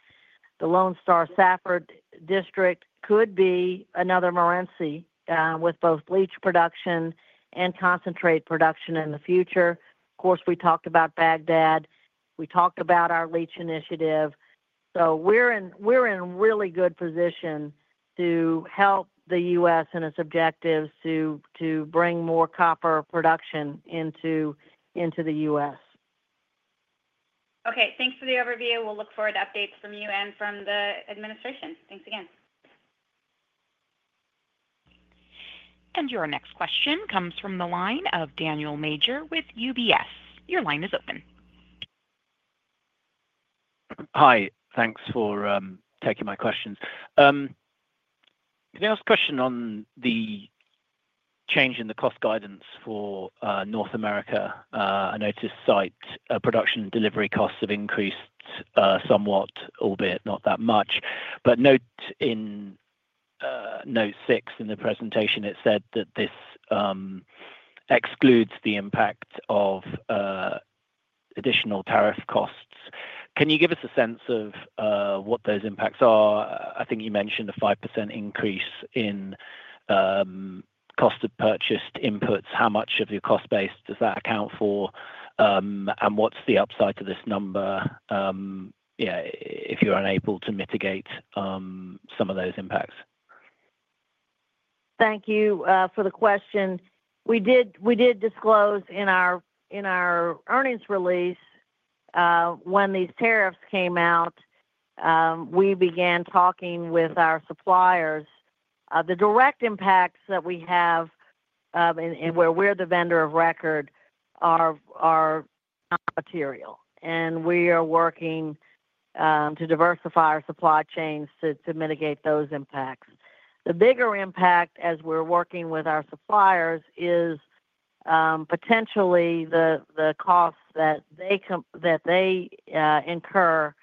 Speaker 4: the Safford-Lone Star District could be another Morenci with both leach production and concentrate production in the future. Of course, we talked about Bagdad. We talked about our leach initiative. We are in really good position to help the U.S. and its objectives to bring more copper production into the U.S.
Speaker 10: Okay. Thanks for the overview. We will look forward to updates from you and from the administration. Thanks again.
Speaker 1: Your next question comes from the line of Daniel Major with UBS. Your line is open.
Speaker 11: Hi. Thanks for taking my questions. Can I ask a question on the change in the cost guidance for North America? I noticed site production delivery costs have increased somewhat, albeit not that much. Note in note six in the presentation, it said that this excludes the impact of additional tariff costs. Can you give us a sense of what those impacts are? I think you mentioned a 5% increase in cost of purchased inputs. How much of your cost base does that account for? What's the upside to this number if you're unable to mitigate some of those impacts?
Speaker 4: Thank you for the question. We did disclose in our earnings release when these tariffs came out, we began talking with our suppliers. The direct impacts that we have and where we're the vendor of record are material. We are working to diversify our supply chains to mitigate those impacts. The bigger impact, as we're working with our suppliers, is potentially the costs that they incur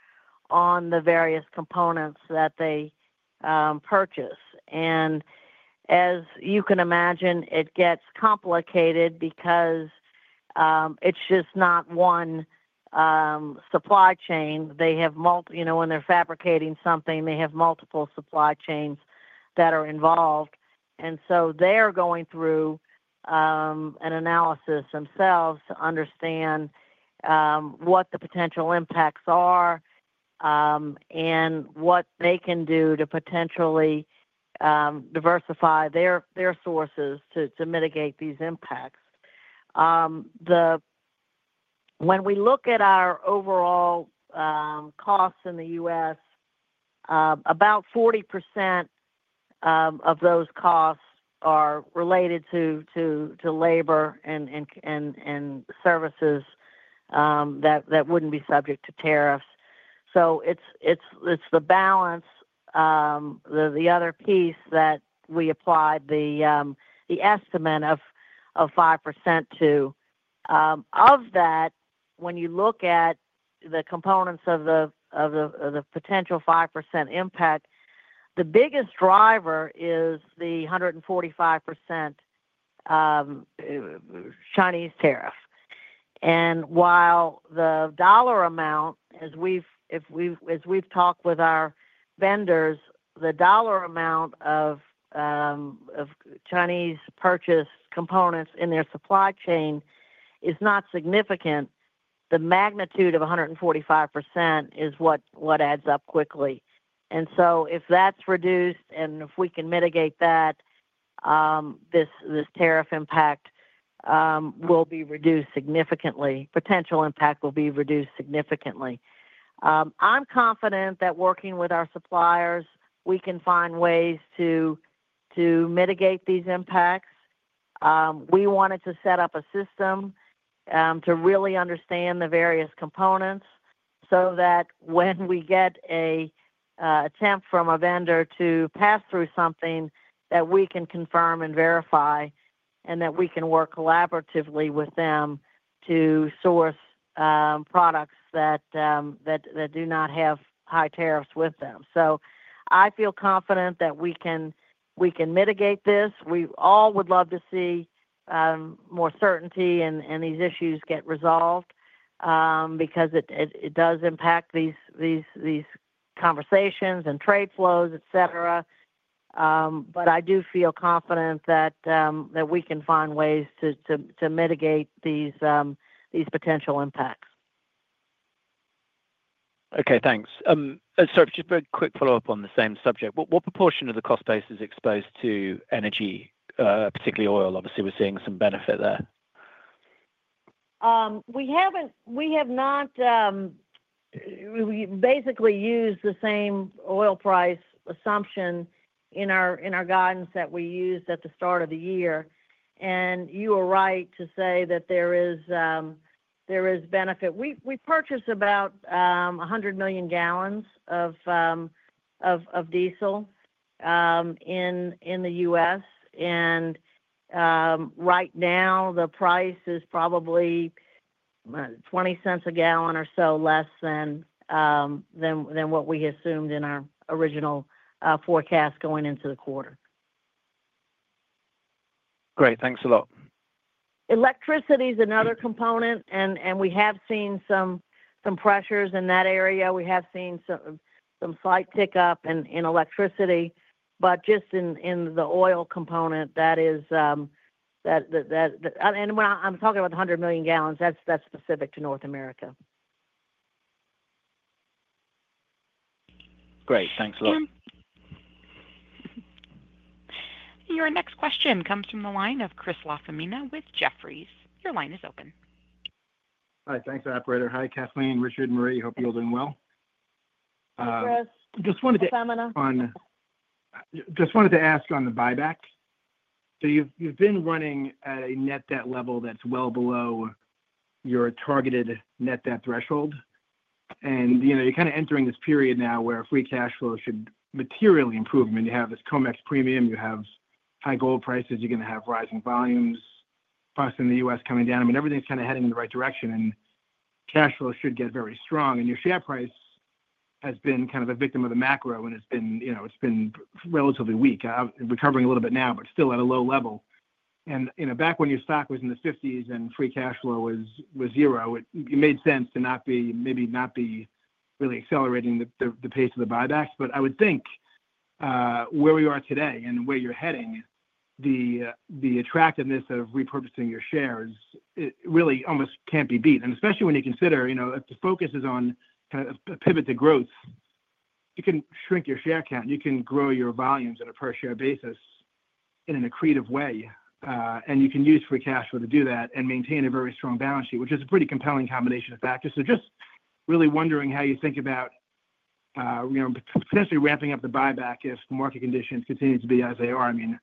Speaker 4: on the various components that they purchase. As you can imagine, it gets complicated because it's just not one supply chain. When they're fabricating something, they have multiple supply chains that are involved. They are going through an analysis themselves to understand what the potential impacts are and what they can do to potentially diversify their sources to mitigate these impacts. When we look at our overall costs in the U.S., about 40% of those costs are related to labor and services that would not be subject to tariffs. It is the balance, the other piece that we applied the estimate of 5% to. Of that, when you look at the components of the potential 5% impact, the biggest driver is the 145% Chinese tariff. While the dollar amount, as we have talked with our vendors, the dollar amount of Chinese purchased components in their supply chain is not significant, the magnitude of 145% is what adds up quickly. If that is reduced and if we can mitigate that, this tariff impact will be reduced significantly. Potential impact will be reduced significantly. I'm confident that working with our suppliers, we can find ways to mitigate these impacts. We wanted to set up a system to really understand the various components so that when we get an attempt from a vendor to pass through something that we can confirm and verify and that we can work collaboratively with them to source products that do not have high tariffs with them. I feel confident that we can mitigate this. We all would love to see more certainty and these issues get resolved because it does impact these conversations and trade flows, etc. I do feel confident that we can find ways to mitigate these potential impacts.
Speaker 11: Okay. Thanks. Sorry, just a quick follow-up on the same subject. What proportion of the cost base is exposed to energy, particularly oil? Obviously, we're seeing some benefit there.
Speaker 4: We have not basically used the same oil price assumption in our guidance that we used at the start of the year. You are right to say that there is benefit. We purchase about 100 million gallons of diesel in the U.S. Right now, the price is probably 0.20 a gallon or so less than what we assumed in our original forecast going into the quarter.
Speaker 11: Great. Thanks a lot.
Speaker 4: Electricity is another component. We have seen some pressures in that area. We have seen some slight tick up in electricity. Just in the oil component, that is, and when I'm talking about 100 million gallons, that's specific to North America.
Speaker 11: Great. Thanks a lot.
Speaker 1: Your next question comes from the line of Chris LaFemina with Jefferies. Your line is open.
Speaker 12: Hi. Thanks, operator. Hi, Kathleen, Richard, Marie. Hope you're all doing well.
Speaker 4: Hey, Chris.
Speaker 12: Just wanted to ask on the buyback. You've been running at a net debt level that's well below your targeted net debt threshold. You're kind of entering this period now where free cash flow should materially improve. I mean, you have this COMEX premium. You have high gold prices. You're going to have rising volumes, price in the U.S. coming down. I mean, everything's kind of heading in the right direction. Cash flow should get very strong. Your share price has been kind of a victim of the macro and it's been relatively weak, recovering a little bit now, but still at a low level. Back when your stock was in the $50s and free cash flow was zero, it made sense to maybe not be really accelerating the pace of the buybacks. I would think where you are today and where you're heading, the attractiveness of repurposing your shares really almost can't be beat. Especially when you consider if the focus is on kind of a pivot to growth, you can shrink your share count. You can grow your volumes on a per-share basis in an accretive way. You can use free cash flow to do that and maintain a very strong balance sheet, which is a pretty compelling combination of factors. Just really wondering how you think about potentially ramping up the buyback if market conditions continue to be as they are. I mean,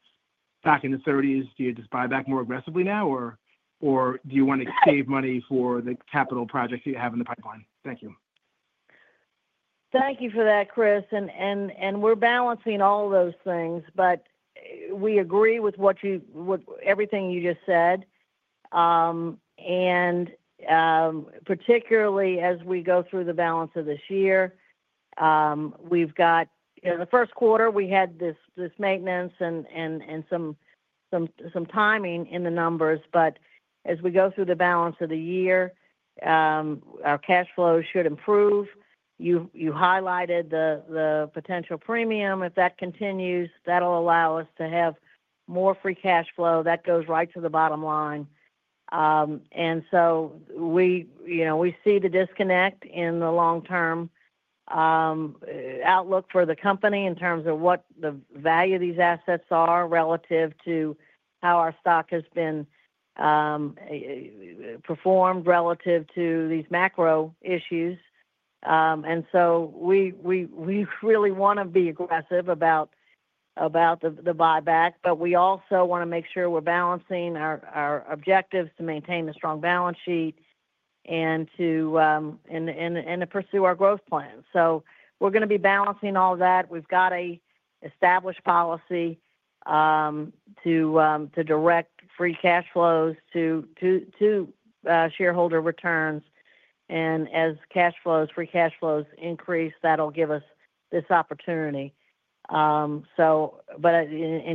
Speaker 12: back in the 30s, do you just buy back more aggressively now, or do you want to save money for the capital projects that you have in the pipeline? Thank you.
Speaker 4: Thank you for that, Chris. We are balancing all those things, but we agree with everything you just said. Particularly as we go through the balance of this year, we have in the first quarter, we had this maintenance and some timing in the numbers. As we go through the balance of the year, our cash flow should improve. You highlighted the potential premium. If that continues, that will allow us to have more free cash flow. That goes right to the bottom line. We see the disconnect in the long-term outlook for the company in terms of what the value of these assets are relative to how our stock has performed relative to these macro issues. We really want to be aggressive about the buyback, but we also want to make sure we are balancing our objectives to maintain a strong balance sheet and to pursue our growth plan. We're going to be balancing all that. We've got an established policy to direct free cash flows to shareholder returns. As free cash flows increase, that'll give us this opportunity. In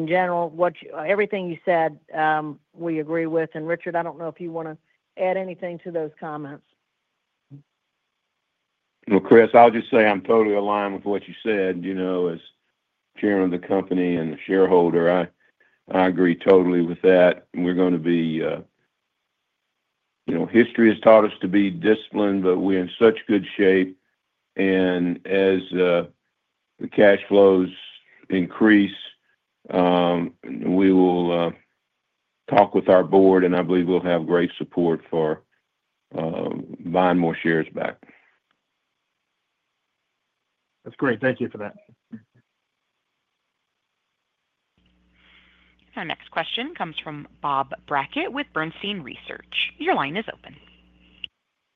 Speaker 4: general, everything you said, we agree with. Richard, I don't know if you want to add anything to those comments.
Speaker 3: Chris, I'll just say I'm totally aligned with what you said as Chairman of the company and shareholder. I agree totally with that. History has taught us to be disciplined, but we're in such good shape. As the cash flows increase, we will talk with our board, and I believe we'll have great support for buying more shares back.
Speaker 12: That's great. Thank you for that.
Speaker 1: Our next question comes from Bob Brackett with Bernstein Research. Your line is open.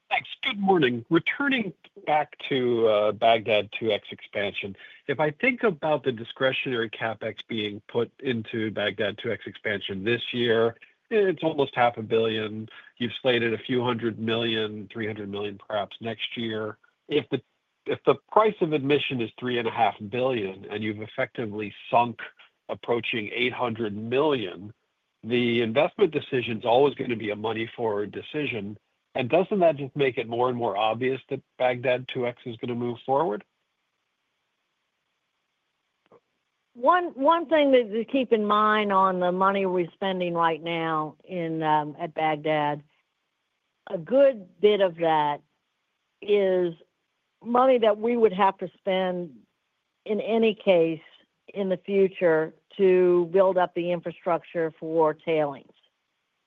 Speaker 13: Thanks. Good morning. Returning back to Bagdad 2X expansion. If I think about the discretionary CapEx being put into Bagdad 2X expansion this year, it's almost $500 million You've slated a few hundred million, $300 million perhaps next year. If the price of admission is $3.5 billion and you've effectively sunk approaching $800 million, the investment decision's always going to be a money-forward decision. Doesn't that just make it more and more obvious that Bagdad 2X is going to move forward?
Speaker 4: One thing to keep in mind on the money we're spending right now at Bagdad, a good bit of that is money that we would have to spend in any case in the future to build up the infrastructure for tailings.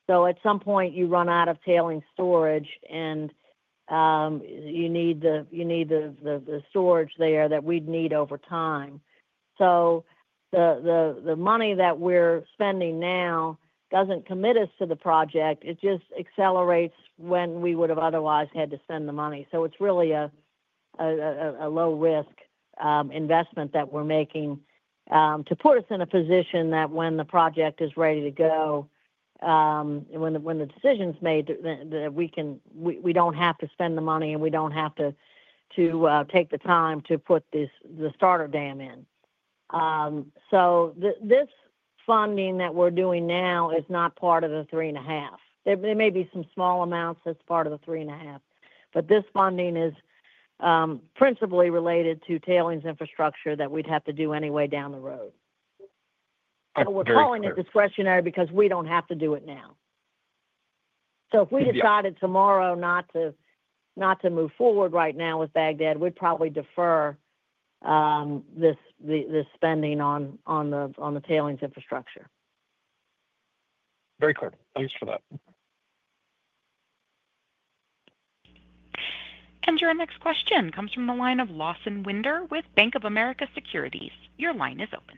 Speaker 4: At some point, you run out of tailing storage, and you need the storage there that we'd need over time. The money that we're spending now doesn't commit us to the project. It just accelerates when we would have otherwise had to spend the money. It is really a low-risk investment that we are making to put us in a position that when the project is ready to go, when the decision is made, that we do not have to spend the money and we do not have to take the time to put the starter dam in. This funding that we are doing now is not part of the $3.5 billion. There may be some small amounts that are part of the $3.5 billion. This funding is principally related to tailings infrastructure that we would have to do anyway down the road. We are calling it discretionary because we do not have to do it now. If we decided tomorrow not to move forward right now with Bagdad, we would probably defer this spending on the tailings infrastructure.
Speaker 13: Very clear. Thanks for that.
Speaker 1: Your next question comes from the line of Lawson Winder with Bank of America Securities. Your line is open.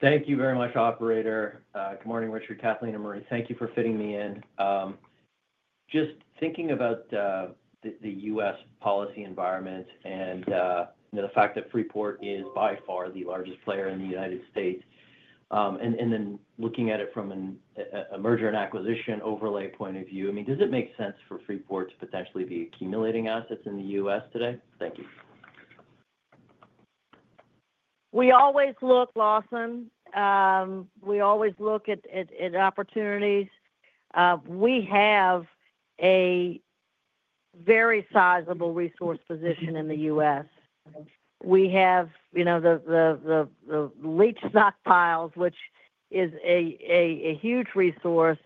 Speaker 14: Thank you very much, operator. Good morning, Richard, Kathleen, and Maree. Thank you for fitting me in. Just thinking about the U.S. policy environment and the fact that Freeport is by far the largest player in the U.S., and then looking at it from a merger and acquisition overlay point of view, I mean, does it make sense for Freeport to potentially be accumulating assets in the U.S. today? Thank you.
Speaker 4: We always look, Lawson. We always look at opportunities. We have a very sizable resource position in the U.S. We have the leach stockpiles, which is a huge resource.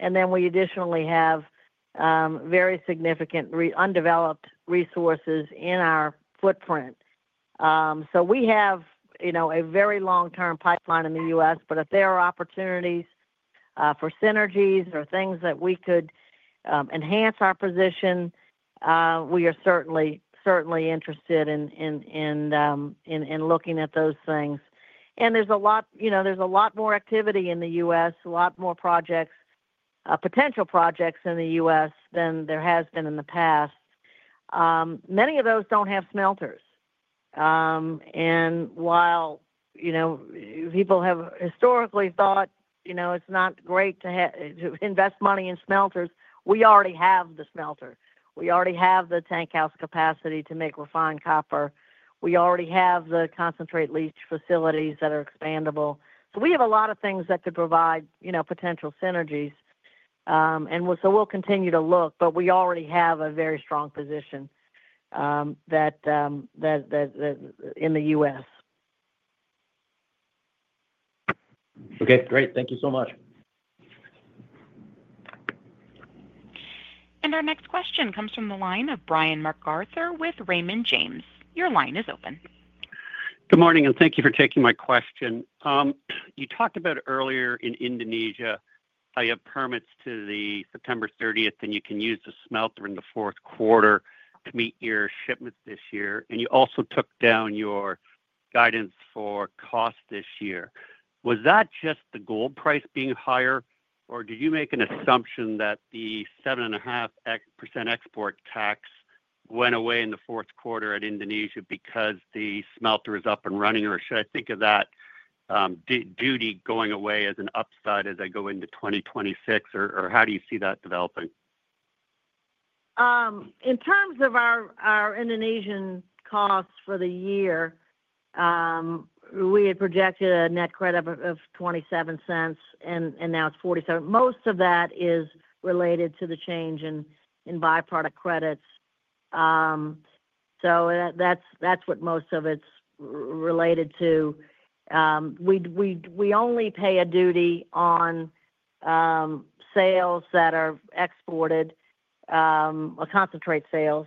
Speaker 4: And then we additionally have very significant undeveloped resources in our footprint. So we have a very long-term pipeline in the U.S. If there are opportunities for synergies or things that we could enhance our position, we are certainly interested in looking at those things. There is a lot more activity in the U.S., a lot more potential projects in the U.S. than there has been in the past. Many of those do not have smelters. While people have historically thought it is not great to invest money in smelters, we already have the smelter. We already have the tankhouse capacity to make refined copper. We already have the concentrate leach facilities that are expandable. We have a lot of things that could provide potential synergies. We will continue to look. We already have a very strong position in the U.S.
Speaker 14: Okay. Great. Thank you so much.
Speaker 1: Our next question comes from the line of Brian MacArthur with Raymond James. Your line is open.
Speaker 15: Good morning. Thank you for taking my question. You talked about earlier in Indonesia how you have permits to September 30, and you can use the smelter in the fourth quarter to meet your shipments this year. You also took down your guidance for cost this year. Was that just the gold price being higher, or did you make an assumption that the 7.5% export tax went away in the fourth quarter at Indonesia because the smelter is up and running, or should I think of that duty going away as an upside as I go into 2026, or how do you see that developing?
Speaker 4: In terms of our Indonesian costs for the year, we had projected a net credit of $0.27, and now it is $0.47. Most of that is related to the change in byproduct credits. That is what most of it is related to. We only pay a duty on sales that are exported, concentrate sales.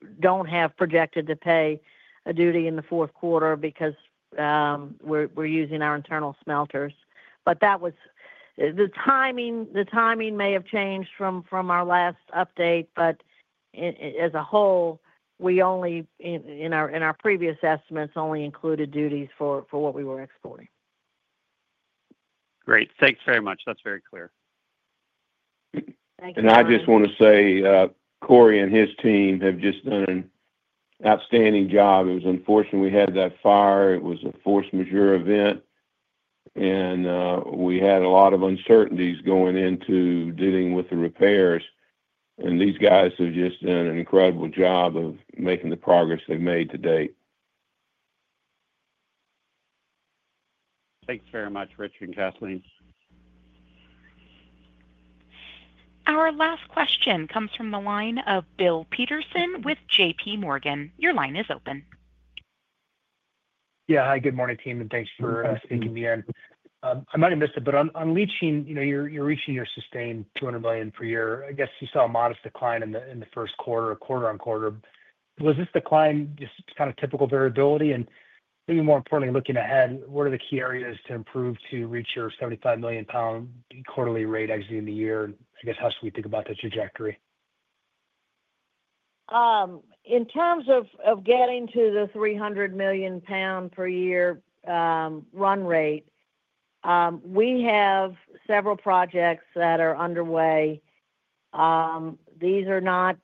Speaker 4: In the fourth quarter, we do not have projected to pay a duty in the fourth quarter because we are using our internal smelters. The timing may have changed from our last update, but as a whole, our previous estimates only included duties for what we were exporting.
Speaker 15: Great. Thanks very much. That is very clear. Thank you for that.
Speaker 3: I just want to say Cory and his team have just done an outstanding job. It was unfortunate we had that fire. It was a force majeure event. We had a lot of uncertainties going into dealing with the repairs. These guys have just done an incredible job of making the progress they have made to date.
Speaker 15: Thanks very much, Richard and Kathleen.
Speaker 1: Our last question comes from the line of Bill Peterson with J.P. Morgan. Your line is open.
Speaker 16: Yeah. Hi, good morning, team. Thanks for speaking to me again. I might have missed it, but on leaching, you're reaching your sustained 200 million per year. I guess you saw a modest decline in the first quarter, quarter on quarter. Was this decline just kind of typical variability? Maybe more importantly, looking ahead, what are the key areas to improve to reach your 75 million-pound quarterly rate exiting the year? I guess how should we think about the trajectory?
Speaker 4: In terms of getting to the 300 million-pound per year run rate, we have several projects that are underway. These do not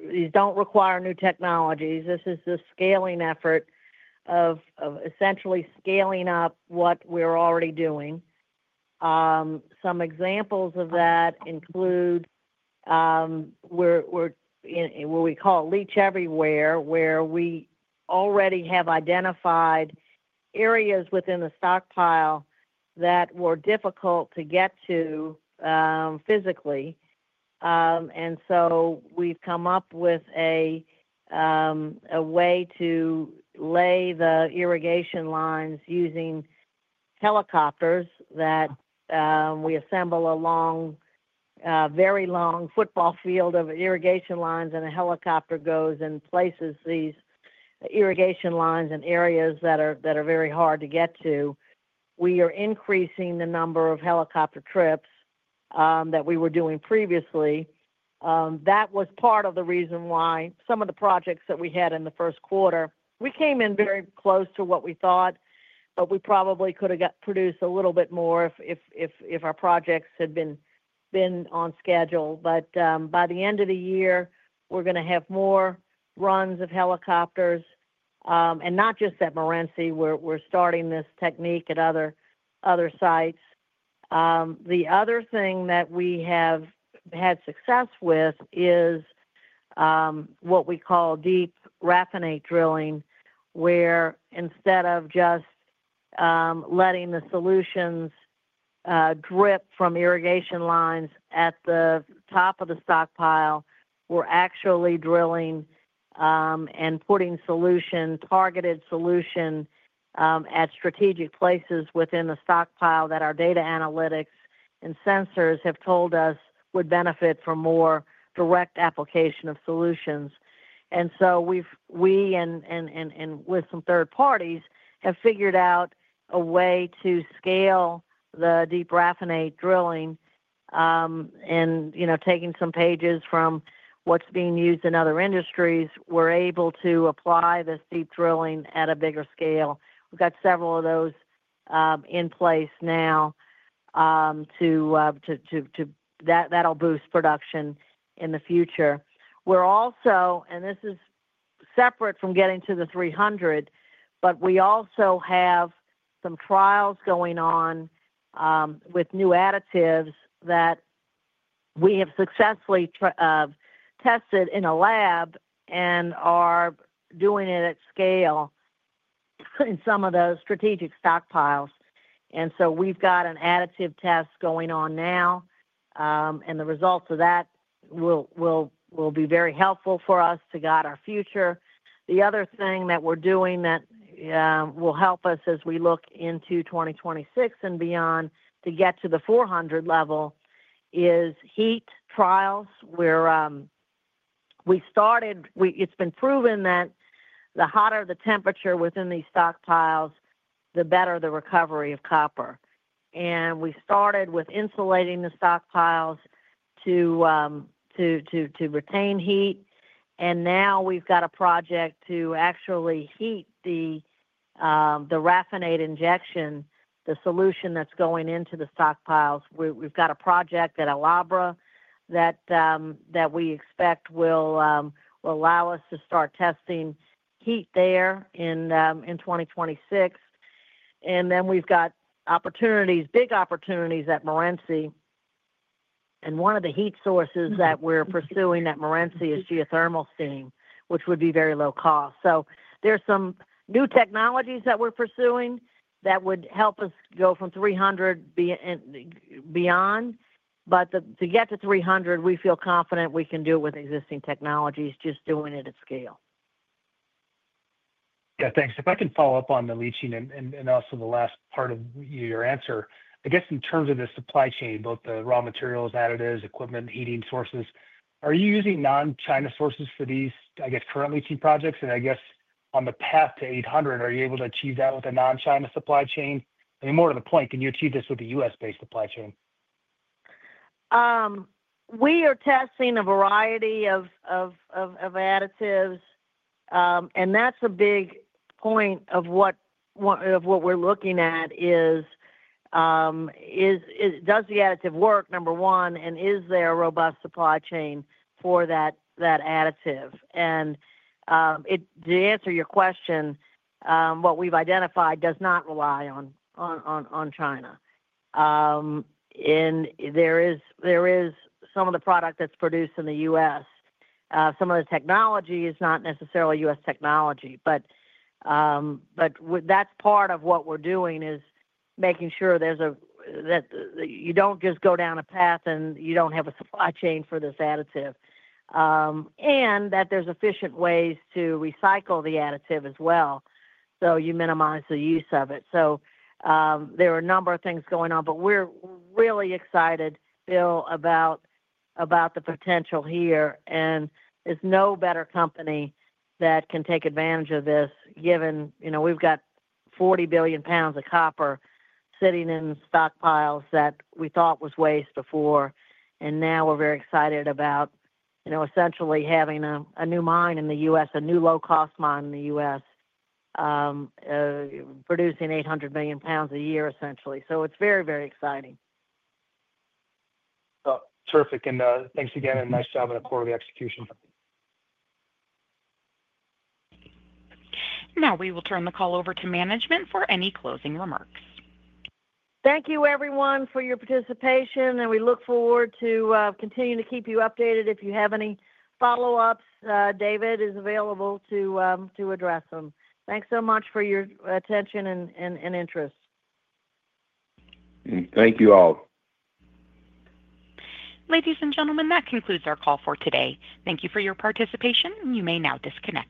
Speaker 4: require new technologies. This is the scaling effort of essentially scaling up what we're already doing. Some examples of that include what we call leach everywhere, where we already have identified areas within the stockpile that were difficult to get to physically. We have come up with a way to lay the irrigation lines using helicopters that we assemble a very long football field of irrigation lines, and a helicopter goes and places these irrigation lines in areas that are very hard to get to. We are increasing the number of helicopter trips that we were doing previously. That was part of the reason why some of the projects that we had in the first quarter, we came in very close to what we thought, but we probably could have produced a little bit more if our projects had been on schedule. By the end of the year, we are going to have more runs of helicopters. Not just at Morenci. We're starting this technique at other sites. The other thing that we have had success with is what we call deep raffinate drilling, where instead of just letting the solutions drip from irrigation lines at the top of the stockpile, we're actually drilling and putting targeted solution at strategic places within the stockpile that our data analytics and sensors have told us would benefit from more direct application of solutions. We and with some third parties have figured out a way to scale the deep raffinate drilling. Taking some pages from what's being used in other industries, we're able to apply this deep drilling at a bigger scale. We've got several of those in place now that'll boost production in the future. This is separate from getting to the 300, but we also have some trials going on with new additives that we have successfully tested in a lab and are doing it at scale in some of those strategic stockpiles. We have got an additive test going on now. The results of that will be very helpful for us to guide our future. The other thing that we are doing that will help us as we look into 2026 and beyond to get to the 400 level is heat trials. It has been proven that the hotter the temperature within these stockpiles, the better the recovery of copper. We started with insulating the stockpiles to retain heat. Now we have got a project to actually heat the raffinate injection, the solution that is going into the stockpiles. We've got a project at El Abra that we expect will allow us to start testing heat there in 2026. We have big opportunities at Morenci. One of the heat sources that we're pursuing at Morenci is geothermal steam, which would be very low cost. There are some new technologies that we're pursuing that would help us go from 300 beyond. To get to 300, we feel confident we can do it with existing technologies, just doing it at scale.
Speaker 16: Yeah. Thanks. If I can follow up on the leaching and also the last part of your answer, I guess in terms of the supply chain, both the raw materials, additives, equipment, heating sources, are you using non-China sources for these, I guess, current leaching projects? I guess on the path to 800, are you able to achieve that with a non-China supply chain? I mean, more to the point, can you achieve this with a U.S.-based supply chain?
Speaker 4: We are testing a variety of additives. That is a big point of what we are looking at: does the additive work, number one, and is there a robust supply chain for that additive? To answer your question, what we have identified does not rely on China. There is some of the product that is produced in the U.S. Some of the technology is not necessarily U.S. technology. That is part of what we are doing, making sure that you do not just go down a path and you do not have a supply chain for this additive, and that there are efficient ways to recycle the additive as well so you minimize the use of it. There are a number of things going on. We are really excited, Bill, about the potential here. There is no better company that can take advantage of this given we have $40 billion pounds of copper sitting in stockpiles that we thought was waste before. Now we are very excited about essentially having a new mine in the U.S., a new low-cost mine in the U.S., producing 800 million pounds a year, essentially. It is very, very exciting.
Speaker 16: Terrific. Thanks again. Nice job on the quarterly execution.
Speaker 1: Now we will turn the call over to management for any closing remarks.
Speaker 4: Thank you, everyone, for your participation. We look forward to continuing to keep you updated. If you have any follow-ups, David is available to address them. Thanks so much for your attention and interest.
Speaker 1: Thank you all. Ladies and gentlemen, that concludes our call for today. Thank you for your participation. You may now disconnect.